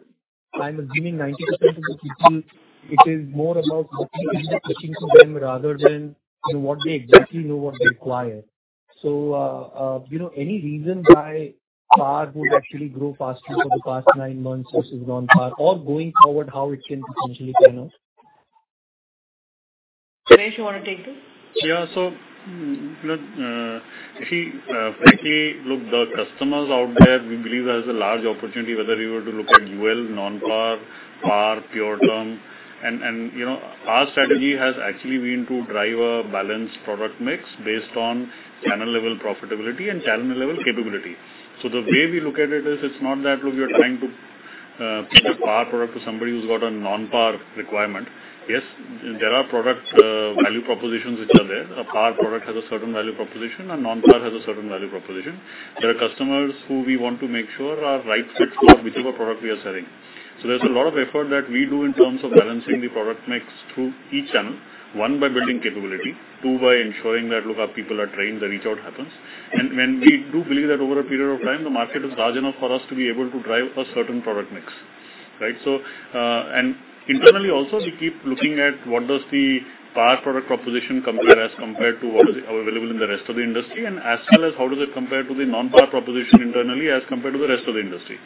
I'm assuming 90% of the people, it is more about what we are pushing to them rather than what they exactly know what they require. Any reason why par would actually grow faster for the past nine months versus non-par, or going forward, how it can potentially pan out? Suresh, you want to take this? Frankly, the customers out there, we believe there's a large opportunity, whether we were to look at UL, non-par, par, pure term. Our strategy has actually been to drive a balanced product mix based on channel-level profitability and channel-level capability. The way we look at it is it's not that we are trying to pitch a par product to somebody who's got a non-par requirement. Yes, there are product value propositions which are there. A par product has a certain value proposition, and non-par has a certain value proposition. There are customers who we want to make sure are right fit for whichever product we are selling. There's a lot of effort that we do in terms of balancing the product mix through each channel. One, by building capability. Two, by ensuring that our people are trained, the reach out happens. We do believe that over a period of time, the market is large enough for us to be able to drive a certain product mix. Right. Internally also, we keep looking at what does the par product proposition compare as compared to what is available in the rest of the industry, and as well as how does it compare to the non-par proposition internally as compared to the rest of the industry.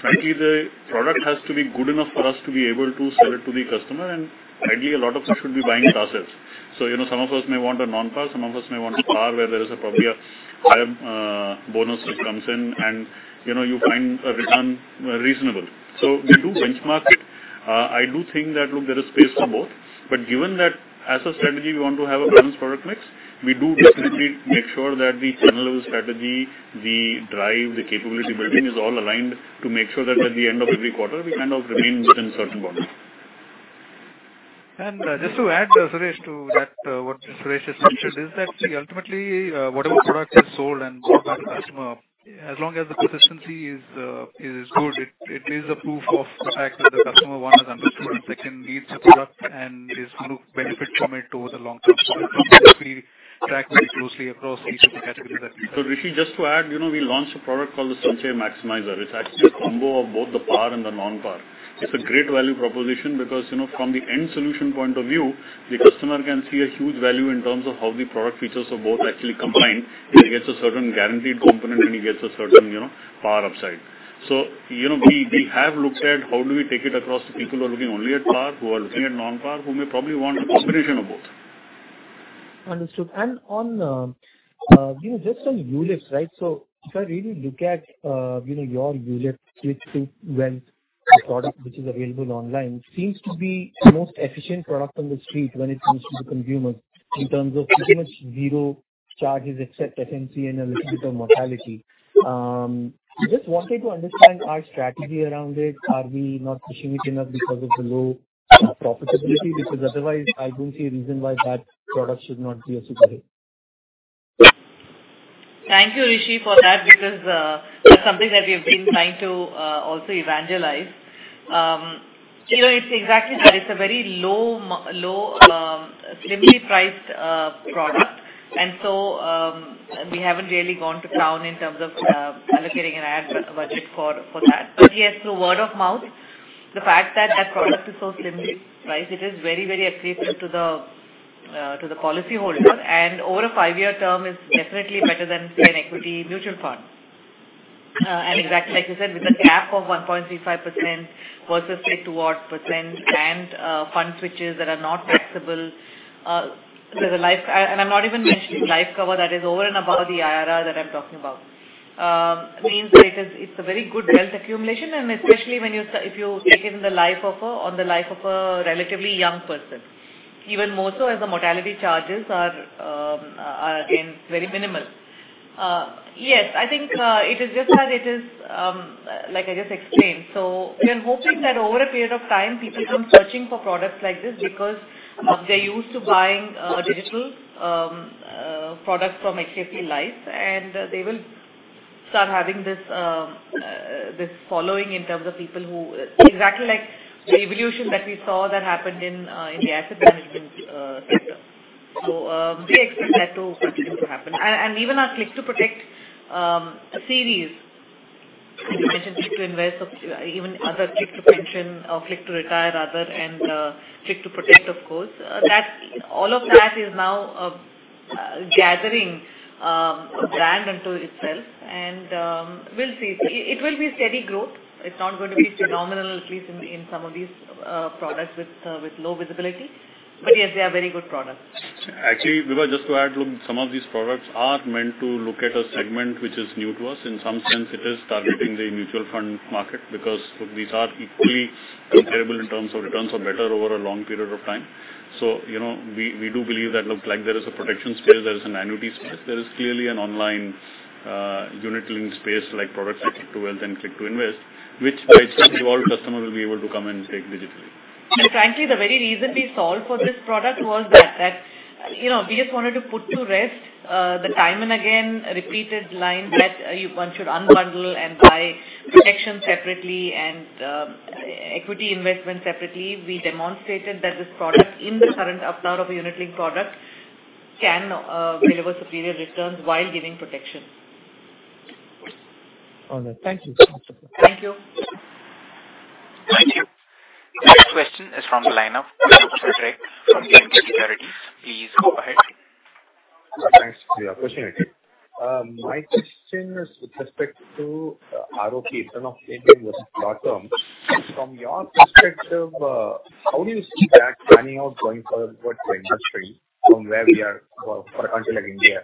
Frankly, the product has to be good enough for us to be able to sell it to the customer, and ideally, a lot of us should be buying it ourselves. Some of us may want a non-par, some of us may want a par where there is probably a higher bonus which comes in and you find a return reasonable. We do benchmark it. I do think that, look, there is space for both. Given that as a strategy, we want to have a balanced product mix, we do definitely make sure that the channel strategy, the drive, the capability building is all aligned to make sure that at the end of every quarter, we kind of remain within certain boundaries. Just to add, Suresh, to that what Suresh has mentioned is that, ultimately, whatever product is sold and bought by the customer, as long as the persistency is good, it is a proof of the fact that the customer, one, has understood, and second, needs the product and is going to benefit from it over the long term. That we track very closely across these three categories. Rishi, just to add, we launched a product called the Sanchay Maximiser. It's actually a combo of both the par and the non-par. It's a great value proposition because, from the end solution point of view, the customer can see a huge value in terms of how the product features of both actually combine. He gets a certain guaranteed component, and he gets a certain par upside. We have looked at how do we take it across to people who are looking only at par, who are looking at non-par, who may probably want a combination of both. Understood. Just on ULIPs, right? If I really look at your ULIP, Click 2 Wealth product which is available online, seems to be the most efficient product on the street when it comes to the consumers in terms of pretty much zero charges except FMC and a little bit of mortality. Just wanted to understand our strategy around it. Are we not pushing it enough because of the low profitability? Otherwise I don't see a reason why that product should not be a super hit. Thank you, Rishi, for that because that is something that we've been trying to also evangelize. It is exactly that. It is a very simply priced product. We haven't really gone to town in terms of allocating an ad budget for that. Yes, through word of mouth, the fact that that product is so simply priced, it is very accessible to the policyholder, and over a five-year term is definitely better than, say, an equity mutual fund. Exactly like you said, with a gap of 1.35% versus 3%-4% and fund switches that are not taxable, and I'm not even mentioning life cover that is over and above the IRR that I'm talking about, means that it's a very good wealth accumulation and especially if you take it on the life of a relatively young person. Even more so as the mortality charges are very minimal. Yes, I think it is just that it is like I just explained. We are hoping that over a period of time, people come searching for products like this because they're used to buying digital products from HDFC Life, and they will start having this following in terms of exactly like the evolution that we saw that happened in the asset management sector. We expect that to continue to happen. Even our Click 2 Protect series, you mentioned Click 2 Invest, even other Click 2 Pension or Click 2 Retire rather, and Click 2 Protect, of course, all of that is now gathering a brand unto itself. We'll see. It will be steady growth. It's not going to be phenomenal, at least in some of these products with low visibility. Yes, they are very good products. Actually, Vibha, just to add, look, some of these products are meant to look at a segment which is new to us. In some sense, it is targeting the mutual fund market because these are equally comparable in terms of returns or better over a long period of time. We do believe that, look, like there is a protection space, there is an annuity space, there is clearly an online unit link space like products like Click 2 Wealth and Click 2 Invest, which by itself evolved customer will be able to come and take digitally. Frankly, the very reason we solved for this product was that we just wanted to put to rest the time and again repeated line that one should unbundle and buy protection separately and equity investment separately. We demonstrated that this product in the current avatar of a unit-linked product can deliver superior returns while giving protection. All right. Thank you. Thank you. Thank you. The next question is from the line of Vivek Chachra from Bloomberg Securities. Please go ahead. Thanks for the opportunity. My question is with respect to ROP return of premium versus pure term. From your perspective, how do you see that panning out going forward for industry from where we are for a country like India?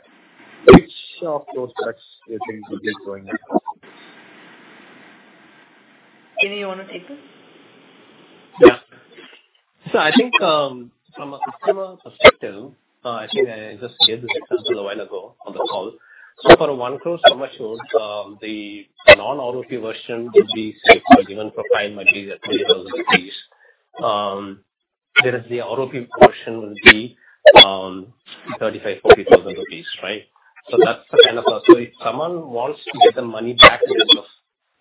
Which of those products do you think will be growing at? Srini, you want to take this? Yeah. I think from a customer perspective, I think I just gave this example a while ago on the call. For a 1 crore sum assured, the non-ROP version will be, say, for a given profile might be at INR 3,000. Whereas the ROP version will be 35,000-40,000 rupees, right? If someone wants to get the money back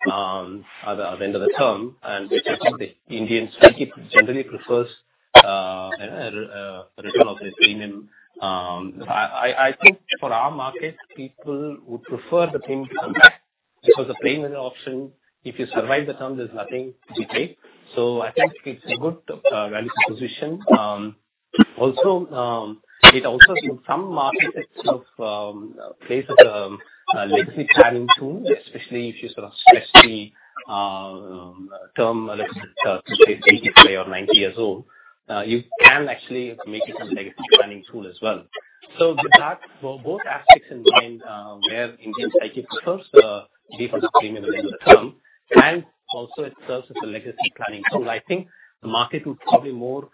at the end of the term, and I think the Indian psyche generally prefers the return of this premium. I think for our markets, people would prefer the premium to come back because the premium option, if you survive the term, there's nothing to be paid. I think it's a good value position. It also in some market acts as a place of a legacy planning tool, especially if you sort of stretch the term, let's say, 80 or 90 years old, you can actually make it as a legacy planning tool as well. With that, both aspects in mind, where Indian psyche prefers the difference premium at the end of the term, and also it serves as a legacy planning tool. I think the market would probably more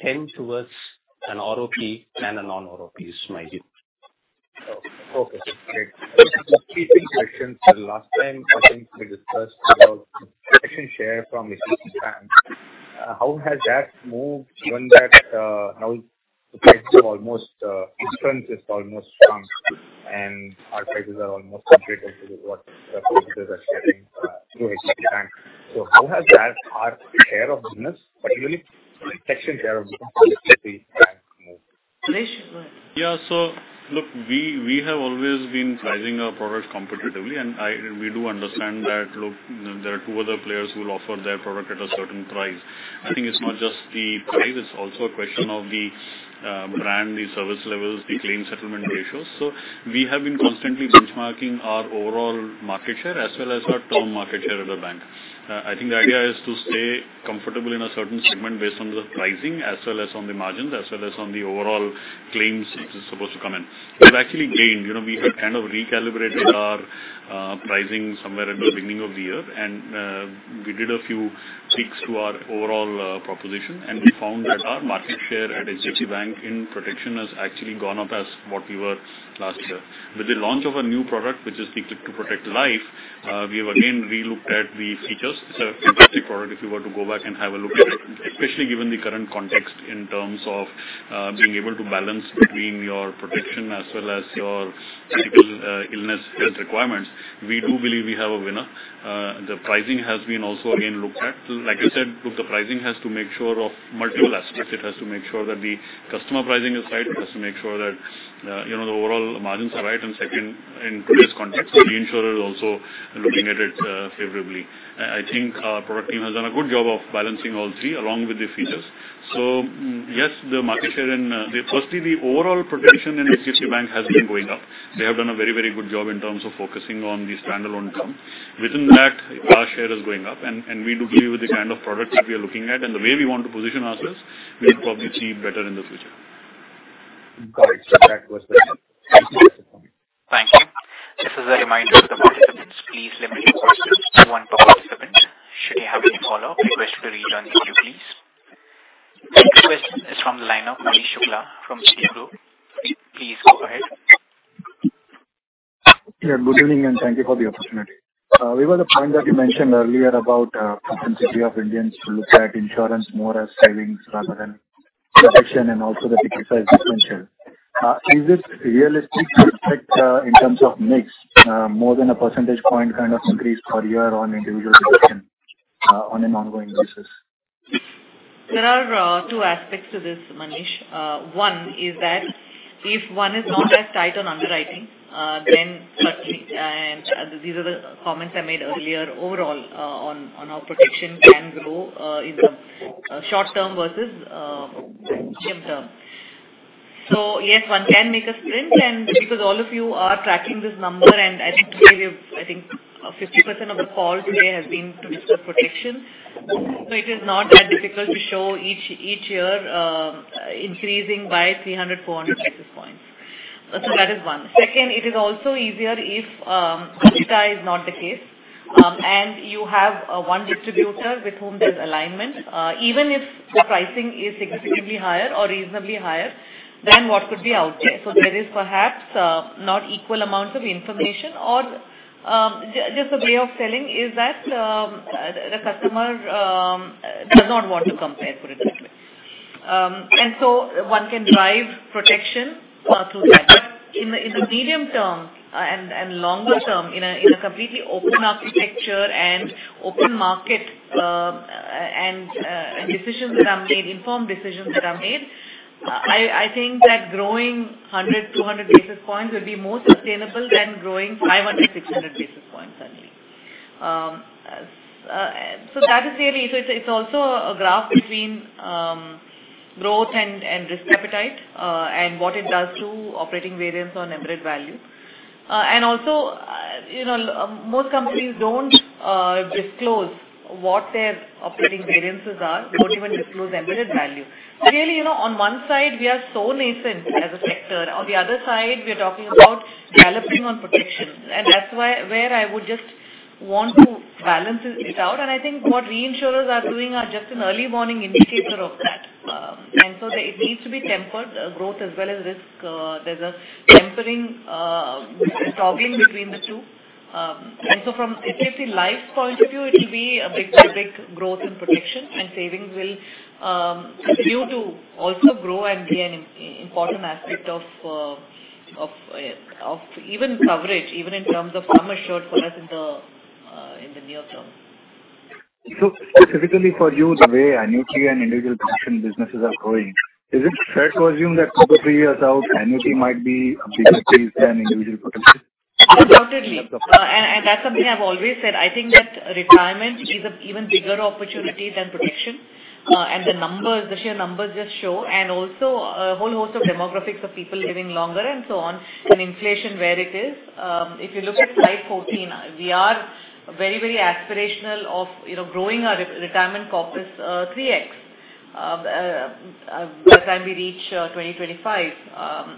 tend towards an ROP than a non-ROP, is my view. Okay, great. Just a few questions. Last time, I think we discussed about protection share from HDFC Bank. How has that moved given that now the price of insurance is almost shrunk and our prices are almost comparable to what the competitors are sharing through HDFC Bank? How has that, our share of business, particularly protection share of business with HDFC Bank moved? Suresh, go ahead. Yeah. Look, we have always been pricing our product competitively, and we do understand that there are two other players who will offer their product at a certain price. I think it is not just the price, it is also a question of the brand, the service levels, the claim settlement ratios. We have been constantly benchmarking our overall market share as well as our term market share at the bank. I think the idea is to stay comfortable in a certain segment based on the pricing as well as on the margins, as well as on the overall claims it is supposed to come in. We have actually gained. We had kind of recalibrated our pricing somewhere at the beginning of the year, and we did a few tweaks to our overall proposition, and we found that our market share at HDFC Bank in protection has actually gone up as what we were last year. With the launch of a new product, which is the Click 2 Protect Life, we have again re-looked at the features. It's a fantastic product if you were to go back and have a look at it, especially given the current context in terms of being able to balance between your protection as well as your critical illness health requirements. We do believe we have a winner. The pricing has been also again looked at. Like I said, the pricing has to make sure of multiple aspects. It has to make sure that the customer pricing is right. It has to make sure that the overall margins are right and second, in today's context, the insurer is also looking at it favorably. I think our product team has done a good job of balancing all three along with the features. Yes, firstly, the overall protection in HDFC Bank has been going up. They have done a very good job in terms of focusing on the standalone term. Within that, our share is going up, and we do believe with the kind of products that we are looking at and the way we want to position ourselves, we will probably achieve better in the future. Got it. That was the question. Thank you. Thank you. Just as a reminder to the participants, please limit your questions to one per participant. Should you have any follow-up, request to return the queue, please. The next question is from the line of Manish Shukla from Citigroup. Please go ahead. Good evening, and thank you for the opportunity. Vibha Padalkar the point that you mentioned earlier about propensity of Indians to look at insurance more as savings rather than protection and also the ticket size differential. Is it realistic to expect in terms of mix more than a one percentage point kind of increase per year on individual protection on an ongoing basis? There are two aspects to this, Manish. One is that if one is not as tight on underwriting, firstly, and these are the comments I made earlier overall on our protection can grow in the short term versus medium term. Yes, one can make a sprint, and because all of you are tracking this number, and I think 50% of the call today has been towards the protection. It is not that difficult to show each year increasing by 300, 400 basis points. That is one. Second, it is also easier if sky is not the case, and you have one distributor with whom there's alignment, even if the pricing is significantly higher or reasonably higher than what could be out there. There is perhaps not equal amounts of information or just a way of selling is that the customer does not want to compare, put it that way. One can drive protection through that. In the medium term and longer term, in a completely open architecture and open market, and decisions that are made, informed decisions that are made, I think that growing 100, 200 basis points will be more sustainable than growing 500, 600 basis points annually. It's also a graph between growth and risk appetite, and what it does to operating variance on embedded value. Most companies don't disclose what their operating variances are. They don't even disclose embedded value. On one side, we are so nascent as a sector. On the other side, we are talking about developing on protection, and that's where I would just want to balance it out. I think what reinsurers are doing are just an early warning indicator of that. It needs to be tempered, growth as well as risk. There's a tempering, toggling between the two. From HDFC Life's point of view, it will be a big growth in protection, and savings will continue to also grow and be an important aspect of even coverage, even in terms of sum assured for us in the near term. Specifically for you, the way annuity and individual protection businesses are growing, is it fair to assume that two to three years out, annuity might be a bigger piece than individual protection? Undoubtedly. That's something I've always said. I think that retirement is an even bigger opportunity than protection, and the sheer numbers just show, and also a whole host of demographics of people living longer and so on, and inflation where it is. If you look at slide 14, we are very aspirational of growing our retirement corpus 3X by the time we reach 2025.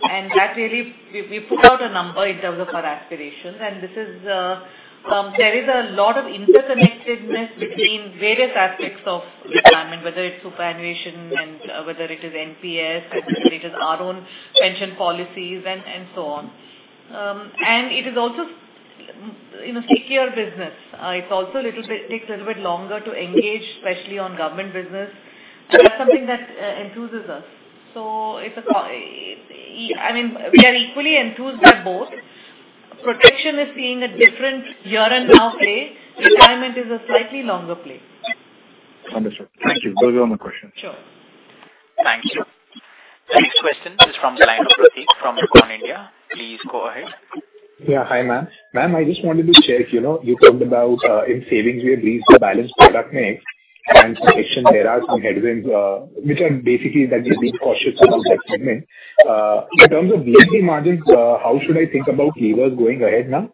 That really, we put out a number in terms of our aspirations, and there is a lot of interconnectedness between various aspects of retirement, whether it's superannuation and whether it is NPS, whether it is our own pension policies and so on. It is also secure business. It also takes a little bit longer to engage, especially on government business. That's something that enthuses us. We are equally enthused by both. Protection is seeing a different here and now play. Retirement is a slightly longer play. Understood. Thank you. Those were all my questions. Sure. Thank you. The next question is from Nayan Pratik from Econom India. Please go ahead. Yeah. Hi, ma'am. Ma'am, I just wanted to check, you talked about in savings where there is a balanced product mix and in protection there are some headwinds, which are basically that you're being cautious about that segment. In terms of VNB margins, how should I think about levers going ahead now?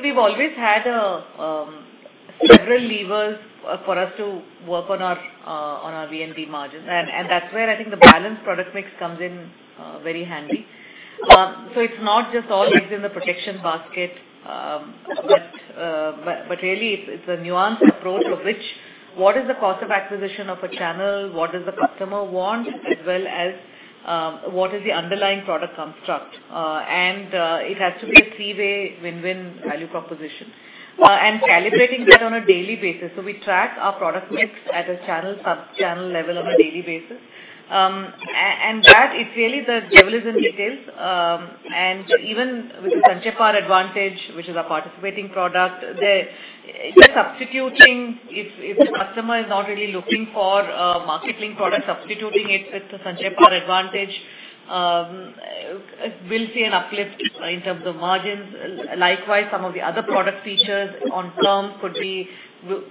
We've always had several levers for us to work on our VNB margins, and that's where I think the balanced product mix comes in very handy. It's not just all eggs in the protection basket, but really it's a nuanced approach of which, what is the cost of acquisition of a channel, what does the customer want, as well as what is the underlying product construct. It has to be a three-way win-win value proposition, and calibrating that on a daily basis. We track our product mix at a sub-channel level on a daily basis. That it's really the devil is in details. Even with the Sanchay Par Advantage, which is our participating product, they're substituting if the customer is not really looking for a market-linked product, substituting it with the Sanchay Par Advantage, we'll see an uplift in terms of margins. Likewise, some of the other product features on term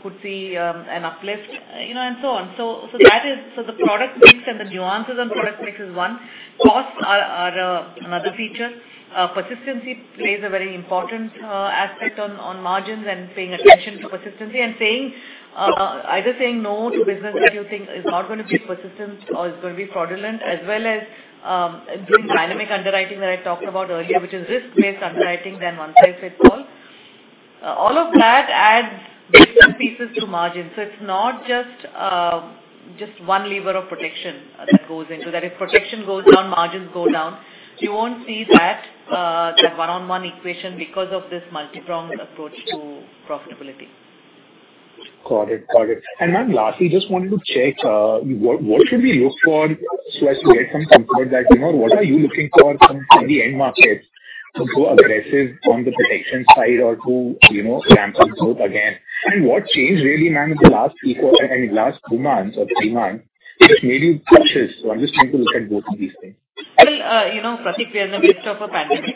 could see an uplift, and so on. The product mix and the nuances on product mix is one. Costs are another feature. Persistency plays a very important aspect on margins and paying attention to persistency and either saying no to business that you think is not going to be persistent or is going to be fraudulent, as well as doing dynamic underwriting that I talked about earlier, which is risk-based underwriting than one-size-fits-all. All of that adds different pieces to margin. It's not just one lever of protection that goes into that. If protection goes down, margins go down. You won't see that one-on-one equation because of this multi-pronged approach to profitability. Got it. Ma'am, lastly, just wanted to check, what should we look for so as to get some comfort that what are you looking for from the end markets to go aggressive on the protection side or to ramp up growth again? What changed really, ma'am, in the last two months or three months, which made you cautious? I'm just trying to look at both of these things. Well, Pratik, we are in the midst of a pandemic.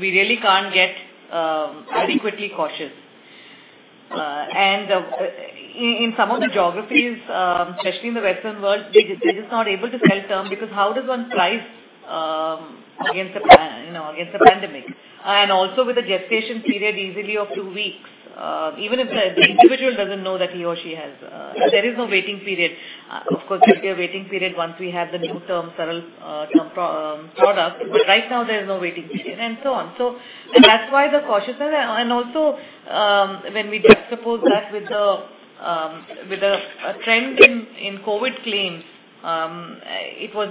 We really can't get adequately cautious. In some of the geographies, especially in the Western world, we're just not able to sell term because how does one price against a pandemic? Also with a gestation period easily of two weeks, even if the individual doesn't know that. There is no waiting period. Of course, there'll be a waiting period once we have the new term products, but right now there is no waiting period and so on. That's why the cautiousness. Also when we juxtapose that with a trend in COVID claims, it was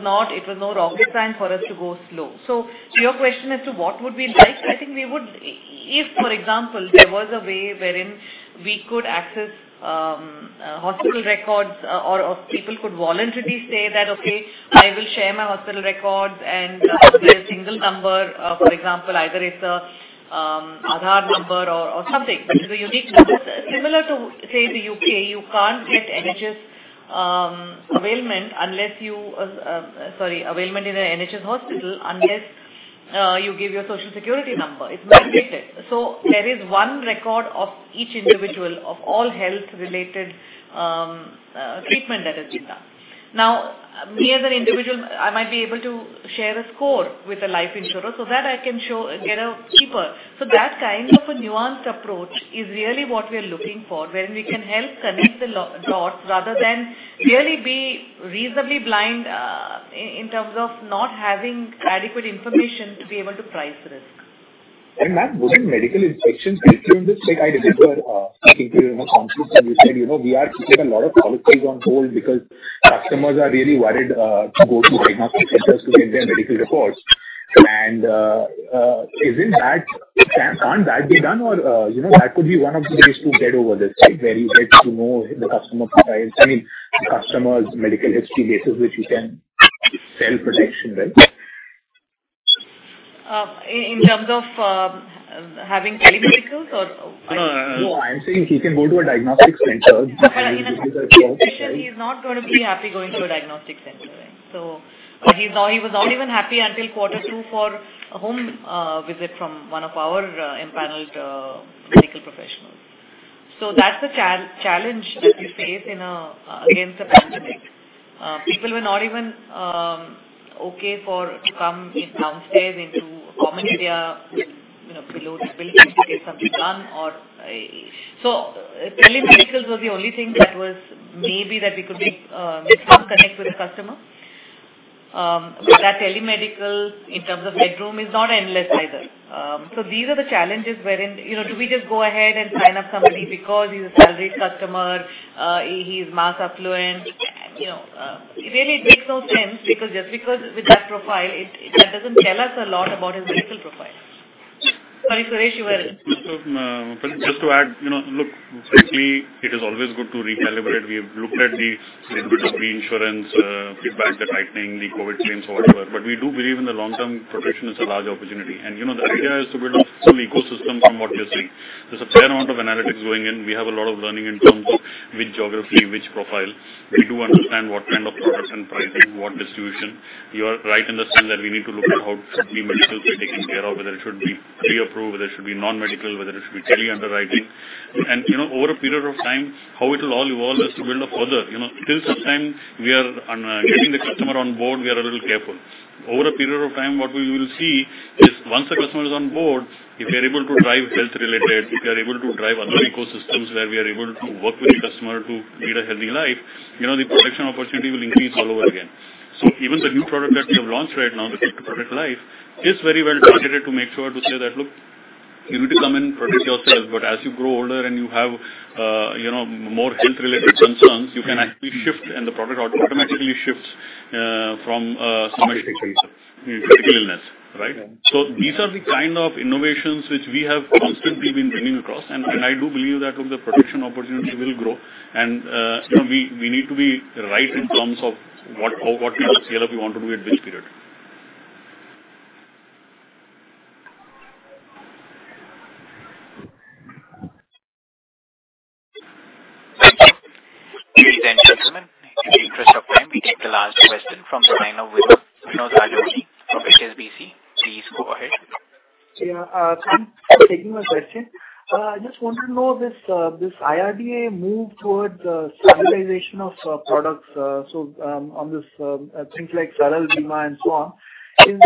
no rocket science for us to go slow. To your question as to what would we like, I think if, for example, there was a way wherein we could access hospital records or people could voluntarily say that, "Okay, I will share my hospital records and my single number." For example, either it's a Aadhaar number or something, but it's a unique number. Similar to, say, the U.K., you can't get availment in an NHS hospital unless you give your Social Security number. It's mandated. There is one record of each individual of all health-related treatment that has been done. Now, me as an individual, I might be able to share a score with a life insurer. That kind of a nuanced approach is really what we're looking for, wherein we can help connect the dots rather than really be reasonably blind in terms of not having adequate information to be able to price risk. Ma'am, wouldn't medical inspections help you in this space? I remember speaking to one of your colleagues and you said, "We have kept a lot of policies on hold because customers are really worried to go to diagnostic centers to get their medical reports." Can't that be done or that could be one of the ways to get over this, right? Where you get to know the customer profiles. I mean, the customer's medical history basis which you can sell protection, right? In terms of having telemedicals. No, I'm saying he can go to a diagnostic center. In a sense, he's not going to be happy going to a diagnostic center. He was not even happy until quarter two for a home visit from one of our empanelled medical professionals. That's the challenge that we face against the pandemic. People were not even okay to come downstairs into a common area below the building to get something done. Telemedicals was the only thing that was maybe that we could make some connect with the customer. That telemedical in terms of headroom is not endless either. These are the challenges wherein, do we just go ahead and sign up somebody because he's a salaried customer, he's mass affluent. Really it makes no sense because just because with that profile, that doesn't tell us a lot about his medical profile. Sorry, Suresh, you were- Just to add, look, frankly, it is always good to recalibrate. We have looked at the little bit of reinsurance feedback that I think the COVID-19 claims or whatever, but we do believe in the long-term protection is a large opportunity, and the idea is to build up some ecosystem from what we are seeing. There's a fair amount of analytics going in. We have a lot of learning in terms of which geography, which profile. We do understand what kind of products and pricing, what distribution. You are right in the sense that we need to look at how pre-medicals are taken care of, whether it should be pre-approved, whether it should be non-medical, whether it should be tele-underwriting. Over a period of time, how it'll all evolve is to build up further. Till some time, getting the customer on board, we are a little careful. Over a period of time, what we will see is once the customer is on board, if we are able to drive health-related, if we are able to drive other ecosystems where we are able to work with the customer to lead a healthy life, the protection opportunity will increase all over again. Even the new product that we have launched right now, the product Life, is very well targeted to make sure to say that, "Look, you need to come and protect yourself, but as you grow older and you have more health-related concerns, you can actually shift and the product automatically shifts from. Critical illness. Critical illness. These are the kind of innovations which we have constantly been bringing across, and I do believe that the protection opportunity will grow. We need to be right in terms of what we as CLSA want to do at this period. Thank you. Ladies and gentlemen, in the interest of time, we take the last question from the line of Vinod Rajasekhar from HSBC. Please go ahead. Yeah, thank you. Thank you for taking my question. I just wanted to know this IRDAI move towards standardization of products, so on this things like Saral Bima and so on. I'm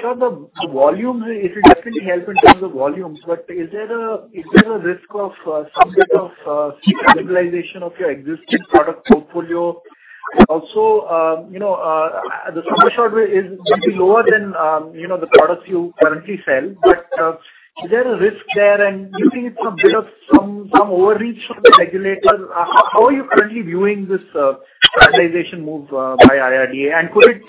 sure it'll definitely help in terms of volumes, is there a risk of some bit of standardization of your existing product portfolio? Also, the sum assured is going to be lower than the products you currently sell, but is there a risk there and do you think it's a bit of some overreach from the regulators? How are you currently viewing this standardization move by IRDAI, and could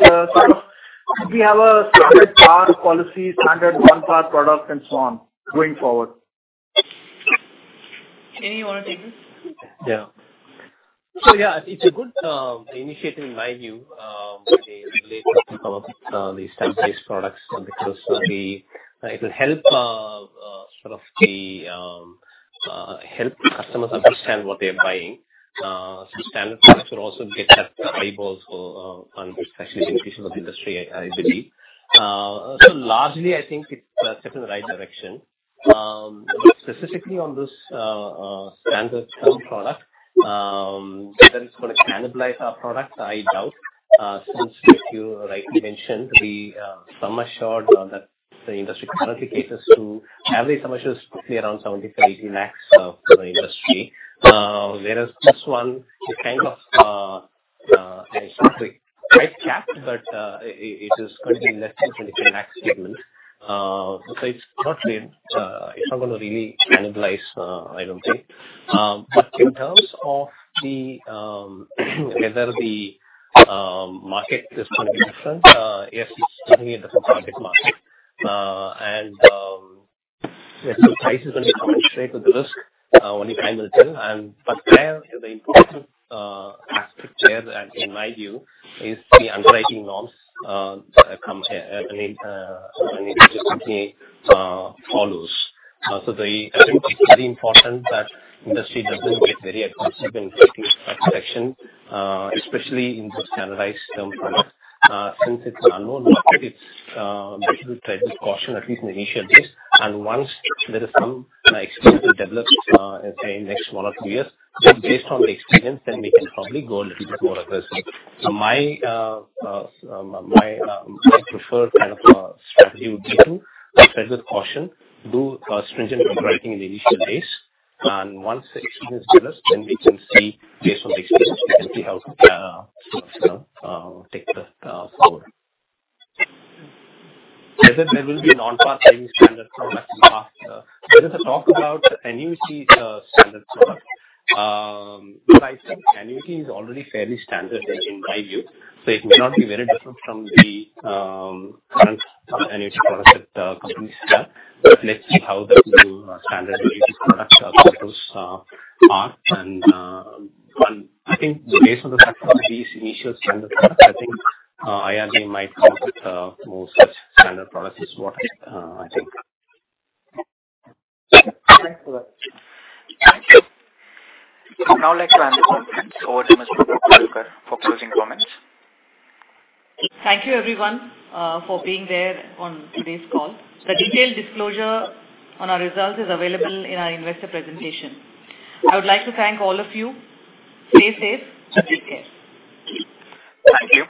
we have a standard term policy, standard non-par product, and so on going forward? Srini, you want to take this? Yeah, it's a good initiative in my view, the regulator to come up with these standard-based products because it'll help customers understand what they're buying. Some standard products will also get eyeballs on this actually beneficial to the industry, I believe. Largely, I think it's a step in the right direction. Specifically on this standard term product, whether it's going to cannibalize our product, I doubt. Since you rightly mentioned the sum assured that the industry currently caters to, average sum assured is roughly around 70 lakhs to 80 lakhs for the industry. Whereas this one is kind of, it's not a price capped, but it is currently less than 25 lakhs given. It's not going to really cannibalize, I don't think. In terms of whether the market is going to be different, yes, it's definitely a different target market. Yes, the price is going to compensate with the risk only time will tell. There the important aspect there that in my view is the underwriting norms that any business company follows. I think it's very important that industry doesn't get very aggressive in that section, especially in this standardized term product. Since it's an unknown market, it's better to tread with caution, at least in the initial days. Once there is some experience developed, say in next one or two years, then based on the experience, then we can probably go a little bit more aggressive. My preferred kind of strategy would be to tread with caution, do stringent underwriting in the initial days. Once the experience is developed, then we can see based on the experience, we can see how to take that forward. Whether there will be non-par savings standard products in the future. There is a talk about annuity standards as well. I think annuity is already fairly standardized in my view, so it may not be very different from the current annuity products that companies have. Let's see how the new standard annuity products proposed are, and I think based on the success of these initial standard products, I think IRDA might come up with more such standard products is what I think. Thanks for that. Thank you. I'd now like to hand the conference over to Ms. Vibha Padalkar for closing comments. Thank you, everyone, for being there on today's call. The detailed disclosure on our results is available in our investor presentation. I would like to thank all of you. Stay safe and take care. Thank you.